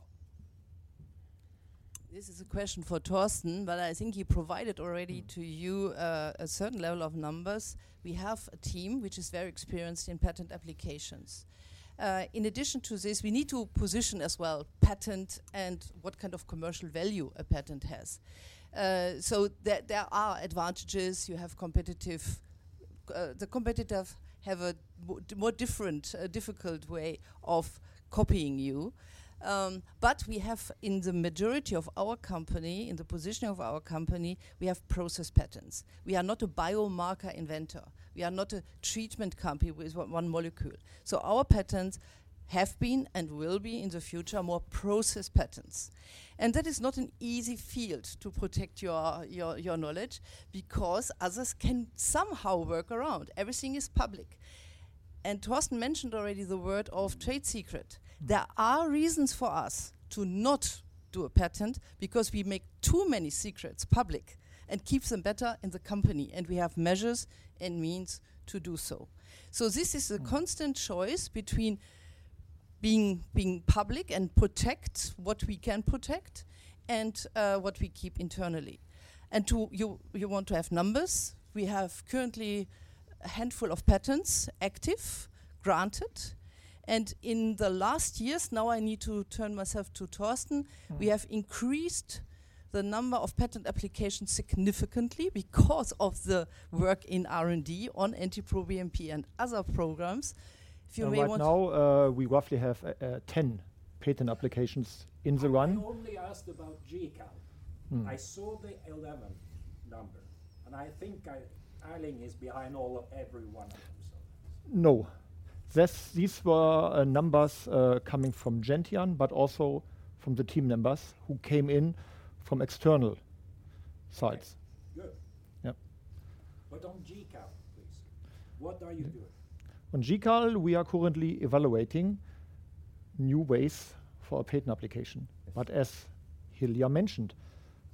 This is a question for Torsten. I think he provided already to you, a certain level of numbers. We have a team which is very experienced in patent applications. In addition to this, we need to position as well patent and what kind of commercial value a patent has. There are advantages. You have competitive. The competitors have a more different, difficult way of copying you. We have in the majority of our company, in the position of our company, we have process patents. We are not a biomarker inventor. We are not a treatment company with one molecule. Our patents have been and will be in the future more process patents. That is not an easy field to protect your knowledge because others can somehow work around. Everything is public. Torsten mentioned already the word of trade secret. There are reasons for us to not do a patent because we make too many secrets public and keeps them better in the company, and we have measures and means to do so. This is a constant choice between being public and protect what we can protect and what we keep internally. You want to have numbers. We have currently a handful of patents active, granted. In the last years, now I need to turn myself to Torsten. Mm-hmm. We have increased the number of patent applications significantly because of the work in R&D on NT-proBNP and other programs. Right now, we roughly have 10 patent applications in the run. I only asked about GCAL. Mm. I saw the 11 number, and I think Aline is behind all of every one of them. No. These were numbers coming from Gentian, but also from the team members who came in from external sites. Good. Yep. On GCAL, please, what are you doing? On GCAL, we are currently evaluating new ways for a patent application. Yes. As Hilja mentioned,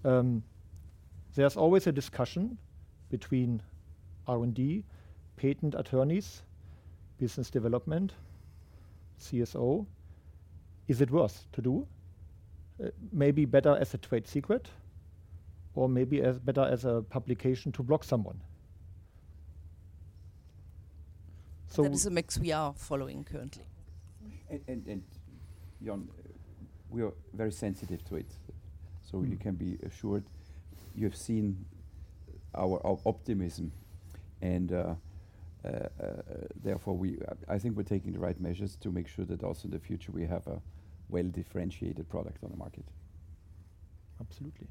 there's always a discussion between R&D, patent attorneys, business development, CSO. Is it worth to do? Maybe better as a trade secret or maybe as better as a publication to block someone. That is a mix we are following currently. Jörn, we are very sensitive to it. You can be assured you have seen our optimism and therefore we I think we're taking the right measures to make sure that also in the future we have a well-differentiated product on the market. Absolutely.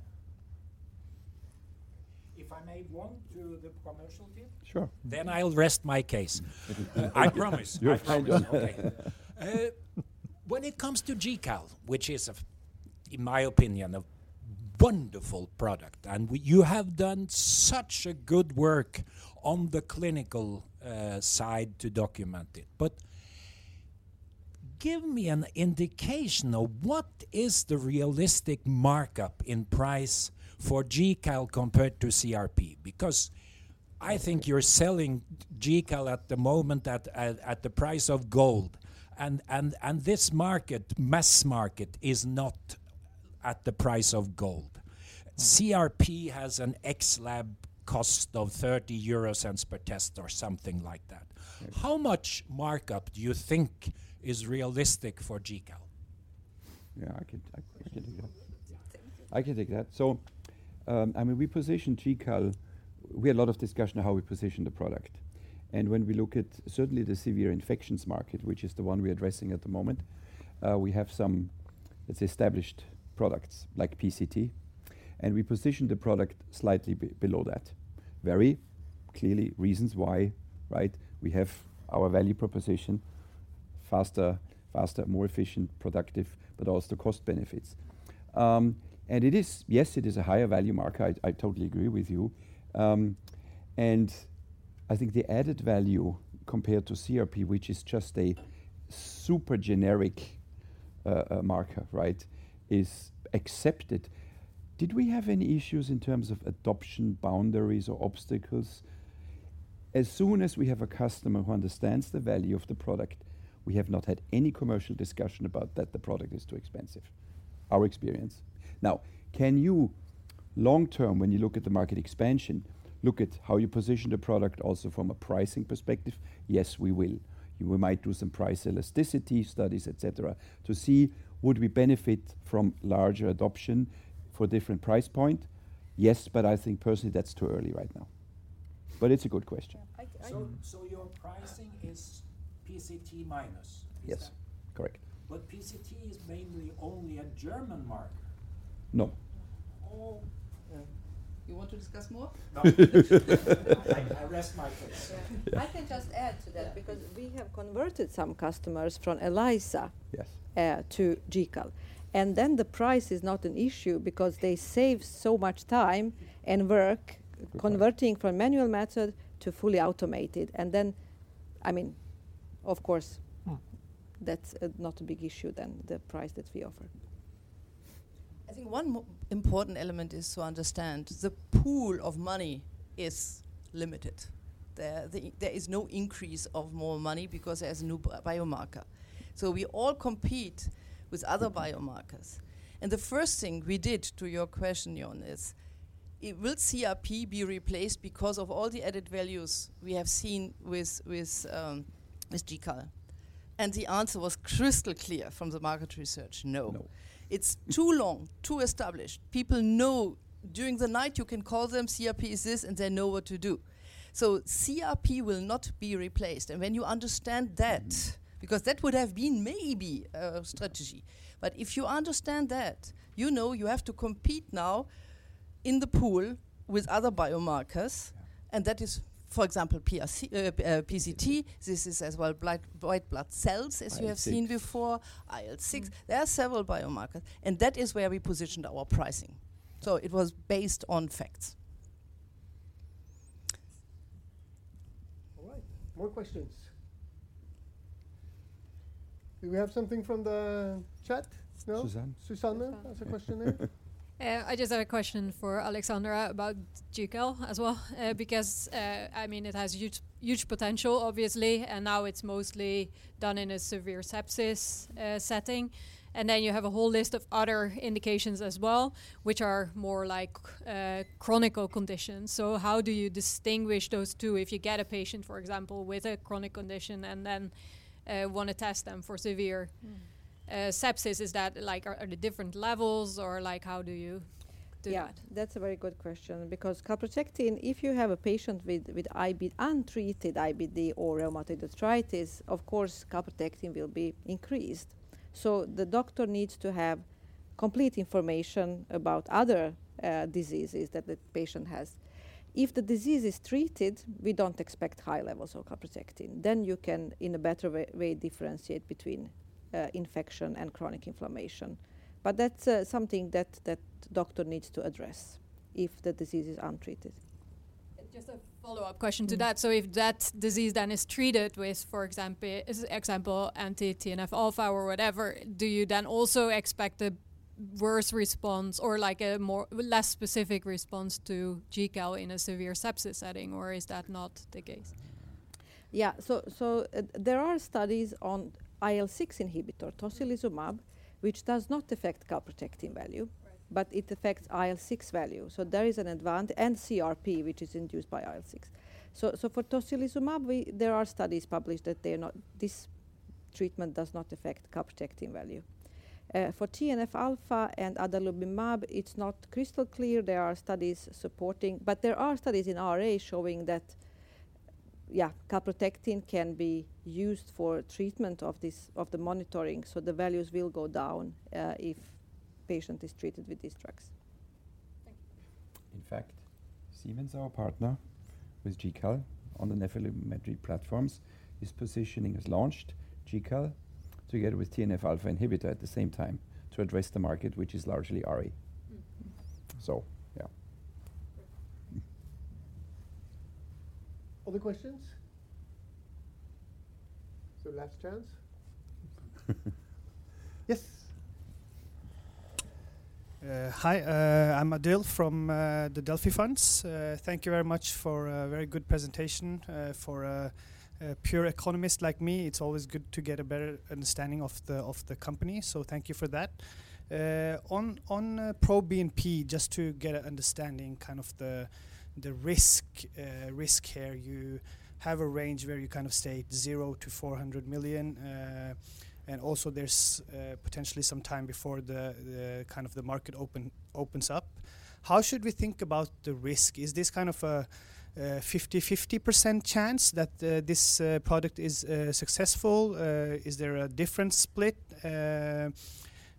If I may one to the commercial team. Sure. I'll rest my case. I promise. You're well done. Okay. When it comes to GCAL, which is in my opinion, a wonderful product, and you have done such a good work on the clinical side to document it. Give me an indication of what is the realistic markup in price for GCAL compared to CRP? I think you're selling GCAL at the moment at the price of gold and this market, mass market, is not at the price of gold. CRP has an ex-lab cost of 0.30 per test or something like that. Yes. How much markup do you think is realistic for GCAL? Yeah, I can take that. Yeah. I can take that. I mean, we position GCAL. We had a lot of discussion on how we position the product. When we look at certainly the severe infections market, which is the one we're addressing at the moment, we have some, let's say, established products like PCT, and we position the product slightly below that. Very clearly reasons why, right? We have our value proposition faster, more efficient, productive, but also the cost benefits. Yes, it is a higher value market. I totally agree with you. I think the added value compared to CRP, which is just a super generic marker, right, is accepted. Did we have any issues in terms of adoption boundaries or obstacles? As soon as we have a customer who understands the value of the product, we have not had any commercial discussion about that the product is too expensive, our experience. Can you long term, when you look at the market expansion, look at how you position the product also from a pricing perspective? We will. We might do some price elasticity studies, etc., to see would we benefit from larger adoption for different price point. I think personally that's too early right now. It's a good question. Yeah. Your pricing is PCT minus. Yes. Correct. PCT is mainly only a German market. No. Oh, yeah. You want to discuss more? No. I rest my case. Yeah. Yeah. I can just add to that because we have converted some customers from ELISA. Yes To GCAL, and then the price is not an issue because they save so much time and work converting from manual method to fully automated. Of course- Mm That's not a big issue then, the price that we offer. I think one important element is to understand the pool of money is limited. There, there is no increase of more money because it has a new biomarker. We all compete with other biomarkers. The first thing we did to your question, Jörn, is will CRP be replaced because of all the added values we have seen with GCal? The answer was crystal clear from the market research, no. No. It's too long, too established. People know during the night you can call them, CRP is this, and they know what to do. CRP will not be replaced. When you understand that, because that would have been maybe a strategy. If you understand that, you know you have to compete now in the pool with other biomarkers. Yeah. That is, for example, PRC, PCT. This is as well white blood cells, as you have seen before. IL-6. IL-6. There are several biomarkers, and that is where we positioned our pricing, so it was based on facts. All right. More questions. Do we have something from the chat? No. Suzanne. Suzanne has a question there. Yeah. I just had a question for Alexandra about GCAL as well. because, I mean, it has huge, huge potential obviously, and now it's mostly done in a severe sepsis setting. Then you have a whole list of other indications as well, which are more like chronic conditions. How do you distinguish those two if you get a patient, for example, with a chronic condition and then wanna test them for severe sepsis? Are they different levels or like how do you do that? Yeah. That's a very good question because calprotectin, if you have a patient with IBD, untreated IBD or rheumatoid arthritis, of course calprotectin will be increased. The doctor needs to have complete information about other diseases that the patient has. If the disease is treated, we don't expect high levels of calprotectin, you can in a better way differentiate between infection and chronic inflammation. That's something that doctor needs to address if the disease is untreated. Just a follow-up question to that. Mm-hmm. If that disease then is treated with, example, anti-TNF-alpha or whatever, do you then also expect a worse response or like a more... less specific response to GCAL in a severe sepsis setting, or is that not the case? Yeah. There are studies on IL-6 inhibitor, tocilizumab, which does not affect calprotectin value- Right It affects IL-6 value, and CRP, which is induced by IL-6. For tocilizumab, there are studies published that this treatment does not affect calprotectin value. For TNF-alpha and adalimumab, it's not crystal clear. There are studies supporting, there are studies in RA showing that calprotectin can be used for treatment of this, of the monitoring, the values will go down if patient is treated with these drugs. Thank you. In fact, Siemens, our partner with GCAL on the nephelometric platforms, is positioning, has launched GCAL together with TNF-alpha inhibitor at the same time to address the market, which is largely RA. Mm-hmm. Yeah. Great. Other questions? It's your last chance. Yes. I'm Adil from the Delphi Funds. Thank you very much for a very good presentation. For a pure economist like me, it's always good to get a better understanding of the company, so thank you for that. On proBNP, just to get an understanding, kind of the risk here, you have a range where you kind of state 0-$400 million. And also there's potentially some time before the kind of the market opens up. How should we think about the risk? Is this kind of a 50/50% chance that this product is successful? Is there a different split?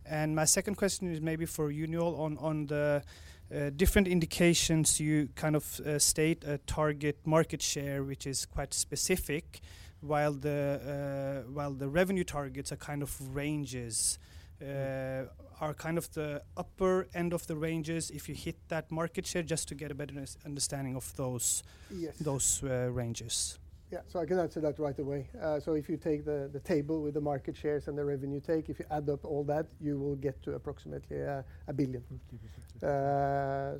And my second question is maybe for you, Noel, on the different indications. You state a target market share, which is quite specific, while the revenue targets are ranges, are the upper end of the ranges if you hit that market share, just to get a better understanding of those? Yes Those ranges. Yeah. I can answer that right away. If you take the table with the market shares and the revenue take, if you add up all that, you will get to approximately $1 billion. 50-60.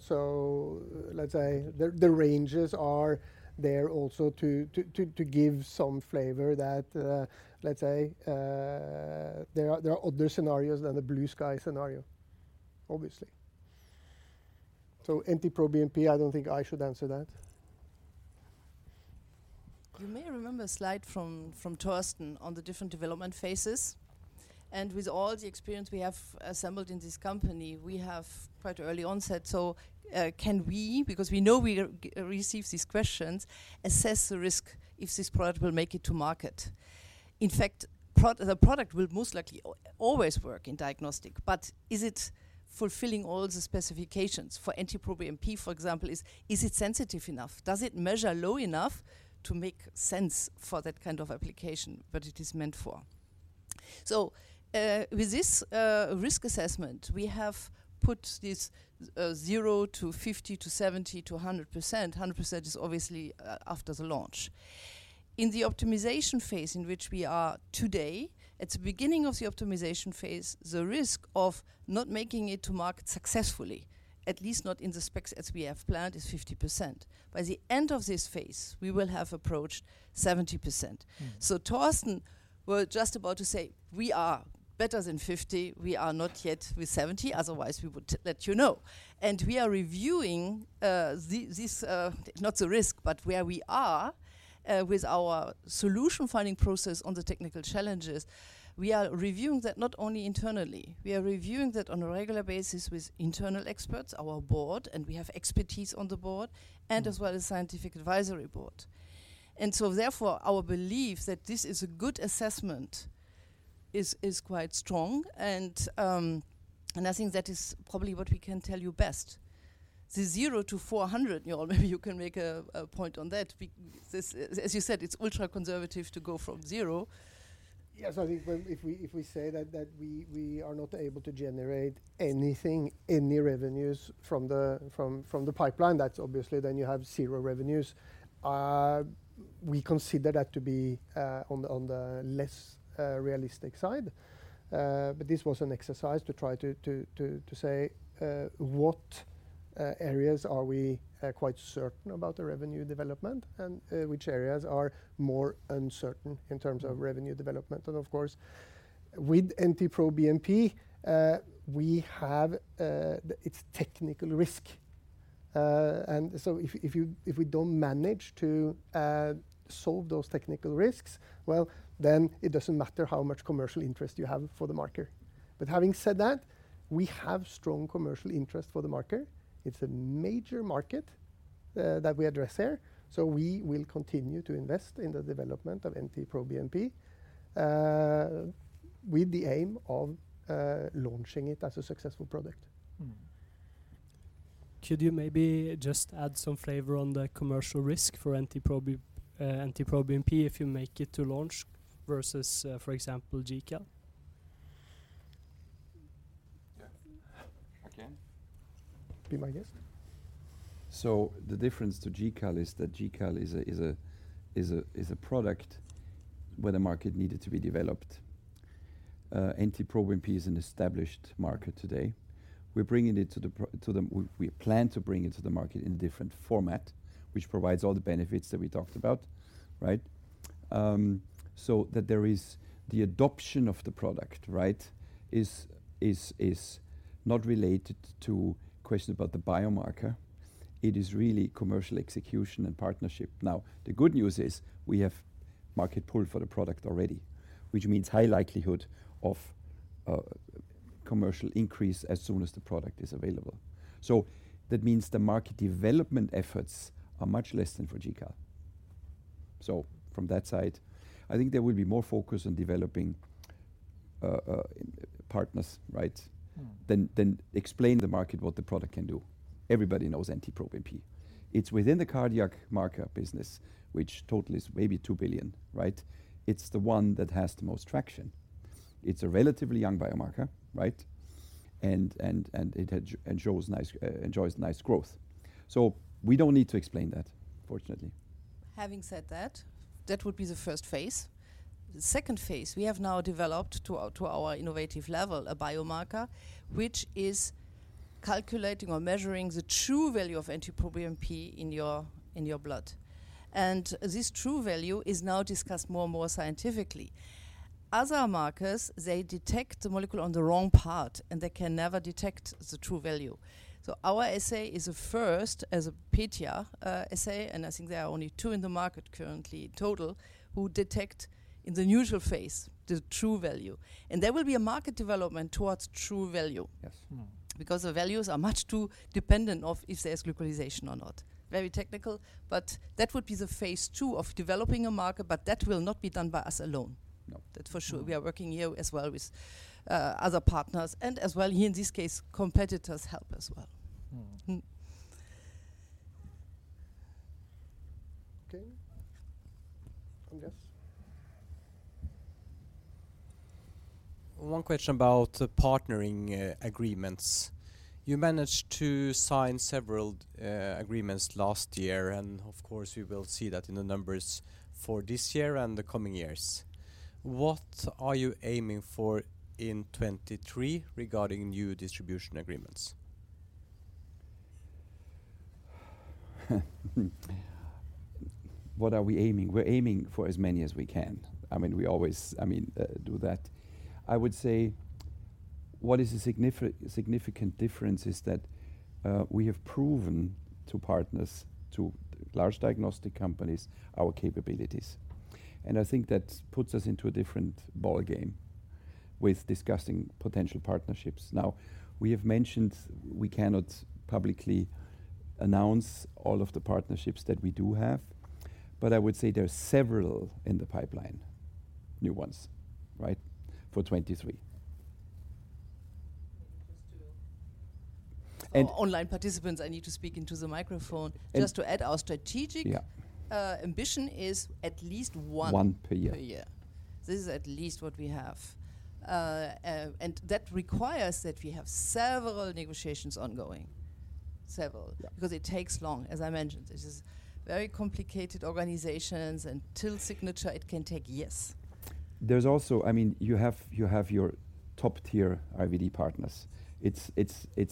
Let's say the ranges are there also to give some flavor that, let's say, there are other scenarios than the blue sky scenario, obviously. NT-proBNP, I don't think I should answer that. You may remember a slide from Torsten on the different development phases. With all the experience we have assembled in this company, we have quite early onset. Can we, because we know we receive these questions, assess the risk if this product will make it to market? In fact, the product will most likely always work in diagnostic, but is it fulfilling all the specifications? For NT-proBNP, for example, is it sensitive enough? Does it measure low enough to make sense for that kind of application that it is meant for? With this risk assessment, we have put this 0% to 50% to 70% to 100%. 100% is obviously after the launch. In the optimization phase in which we are today, at the beginning of the optimization phase, the risk of not making it to market successfully, at least not in the specs as we have planned, is 50%. By the end of this phase, we will have approached 70%. Mm-hmm. Torsten was just about to say we are better than 50. We are not yet with 70, otherwise we would let you know. We are reviewing the, this, not the risk, but where we are with our solution-finding process on the technical challenges. We are reviewing that not only internally, we are reviewing that on a regular basis with internal experts, our board, and we have expertise on the board, and as well as scientific advisory board. Therefore, our belief that this is a good assessment is quite strong and I think that is probably what we can tell you best. The 0 to 400, you all maybe you can make a point on that as you said, it's ultra-conservative to go from 0. Yes, I think well, if we say that we are not able to generate anything, any revenues from the pipeline, that's obviously then you have zero revenues. We consider that to be on the less realistic side. This was an exercise to try to say what areas are we quite certain about the revenue development and which areas are more uncertain in terms of revenue development. Of course, with NT-proBNP, we have its technical risk. If we don't manage to solve those technical risks, well, then it doesn't matter how much commercial interest you have for the marker. Having said that, we have strong commercial interest for the marker. It's a major market that we address there, so we will continue to invest in the development of NT-proBNP with the aim of launching it as a successful product. Mm-hmm. Could you maybe just add some flavor on the commercial risk for NT-proBNP if you make it to launch versus, for example, GCAL? Yeah. I can. Be my guest. The difference to GCAL is that GCAL is a product where the market needed to be developed. NT-proBNP is an established market today. We plan to bring it to the market in a different format, which provides all the benefits that we talked about, right. There is the adoption of the product, right, is not related to questions about the biomarker. It is really commercial execution and partnership. The good news is we have market pull for the product already, which means high likelihood of commercial increase as soon as the product is available. That means the market development efforts are much less than for GCAL. From that side, I think there will be more focus on developing partners, right. Mm-hmm than explain the market what the product can do. Everybody knows NT-proBNP. It's within the cardiac marker business, which total is maybe $2 billion, right? It's the one that has the most traction. It's a relatively young biomarker, right? It enjoys nice growth. We don't need to explain that, fortunately. Having said that would be the first phase. The second phase, we have now developed to our innovative level, a biomarker which is calculating or measuring the true value of NT-proBNP in your blood. This true value is now discussed more and more scientifically. Other markers, they detect the molecule on the wrong part, and they can never detect the true value. Our assay is a first as a PETIA assay, and I think there are only two in the market currently in total, who detect in the neutral phase the true value. There will be a market development towards true value. Yes. The values are much too dependent of if there's glycosylation or not. Very technical. That would be the phase 2 of developing a market. That will not be done by us alone. No. That for sure. We are working here as well with other partners and as well here in this case, competitors help as well. Mm-hmm. Mm. Okay. Andreas. One question about the partnering agreements. You managed to sign several agreements last year. Of course, we will see that in the numbers for this year and the coming years. What are you aiming for in 2023 regarding new distribution agreements? What are we aiming? We're aiming for as many as we can. I mean, we always, I mean, do that. I would say what is a significant difference is that we have proven to partners, to large diagnostic companies, our capabilities. I think that puts us into a different ball game with discussing potential partnerships. Now, we have mentioned we cannot publicly announce all of the partnerships that we do have. I would say there are several in the pipeline, new ones, right? For 2023. Maybe just And- Online participants, I need to speak into the microphone. And- Just to add, our strategic. Yeah Ambition is at least one- One per year. Per year. This is at least what we have. That requires that we have several negotiations ongoing. Several. Yeah. It takes long, as I mentioned. This is very complicated organizations. Till signature it can take years. There's also, I mean, you have your top-tier IVD partners. It's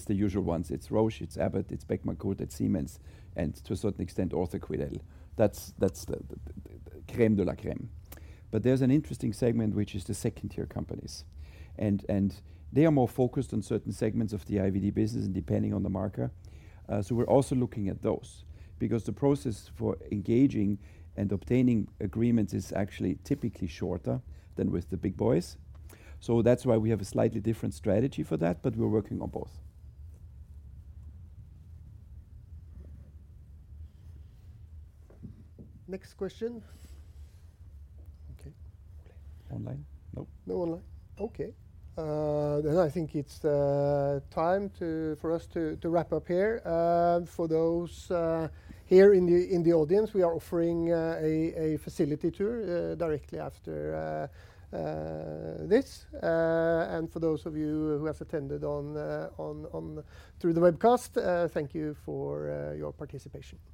the usual ones. It's Roche, it's Abbott, it's Beckman Coulter, it's Siemens, and to a certain extent, QuidelOrtho. That's the creme de la creme. There's an interesting segment which is the second-tier companies. They are more focused on certain segments of the IVD business and depending on the marker. We're also looking at those because the process for engaging and obtaining agreements is actually typically shorter than with the big boys. That's why we have a slightly different strategy for that, but we're working on both. Next question. Okay. Online? No. No online. Okay. I think it's time for us to wrap up here. For those here in the audience, we are offering a facility tour directly after this. For those of you who have attended on through the webcast, thank you for your participation. Thank you.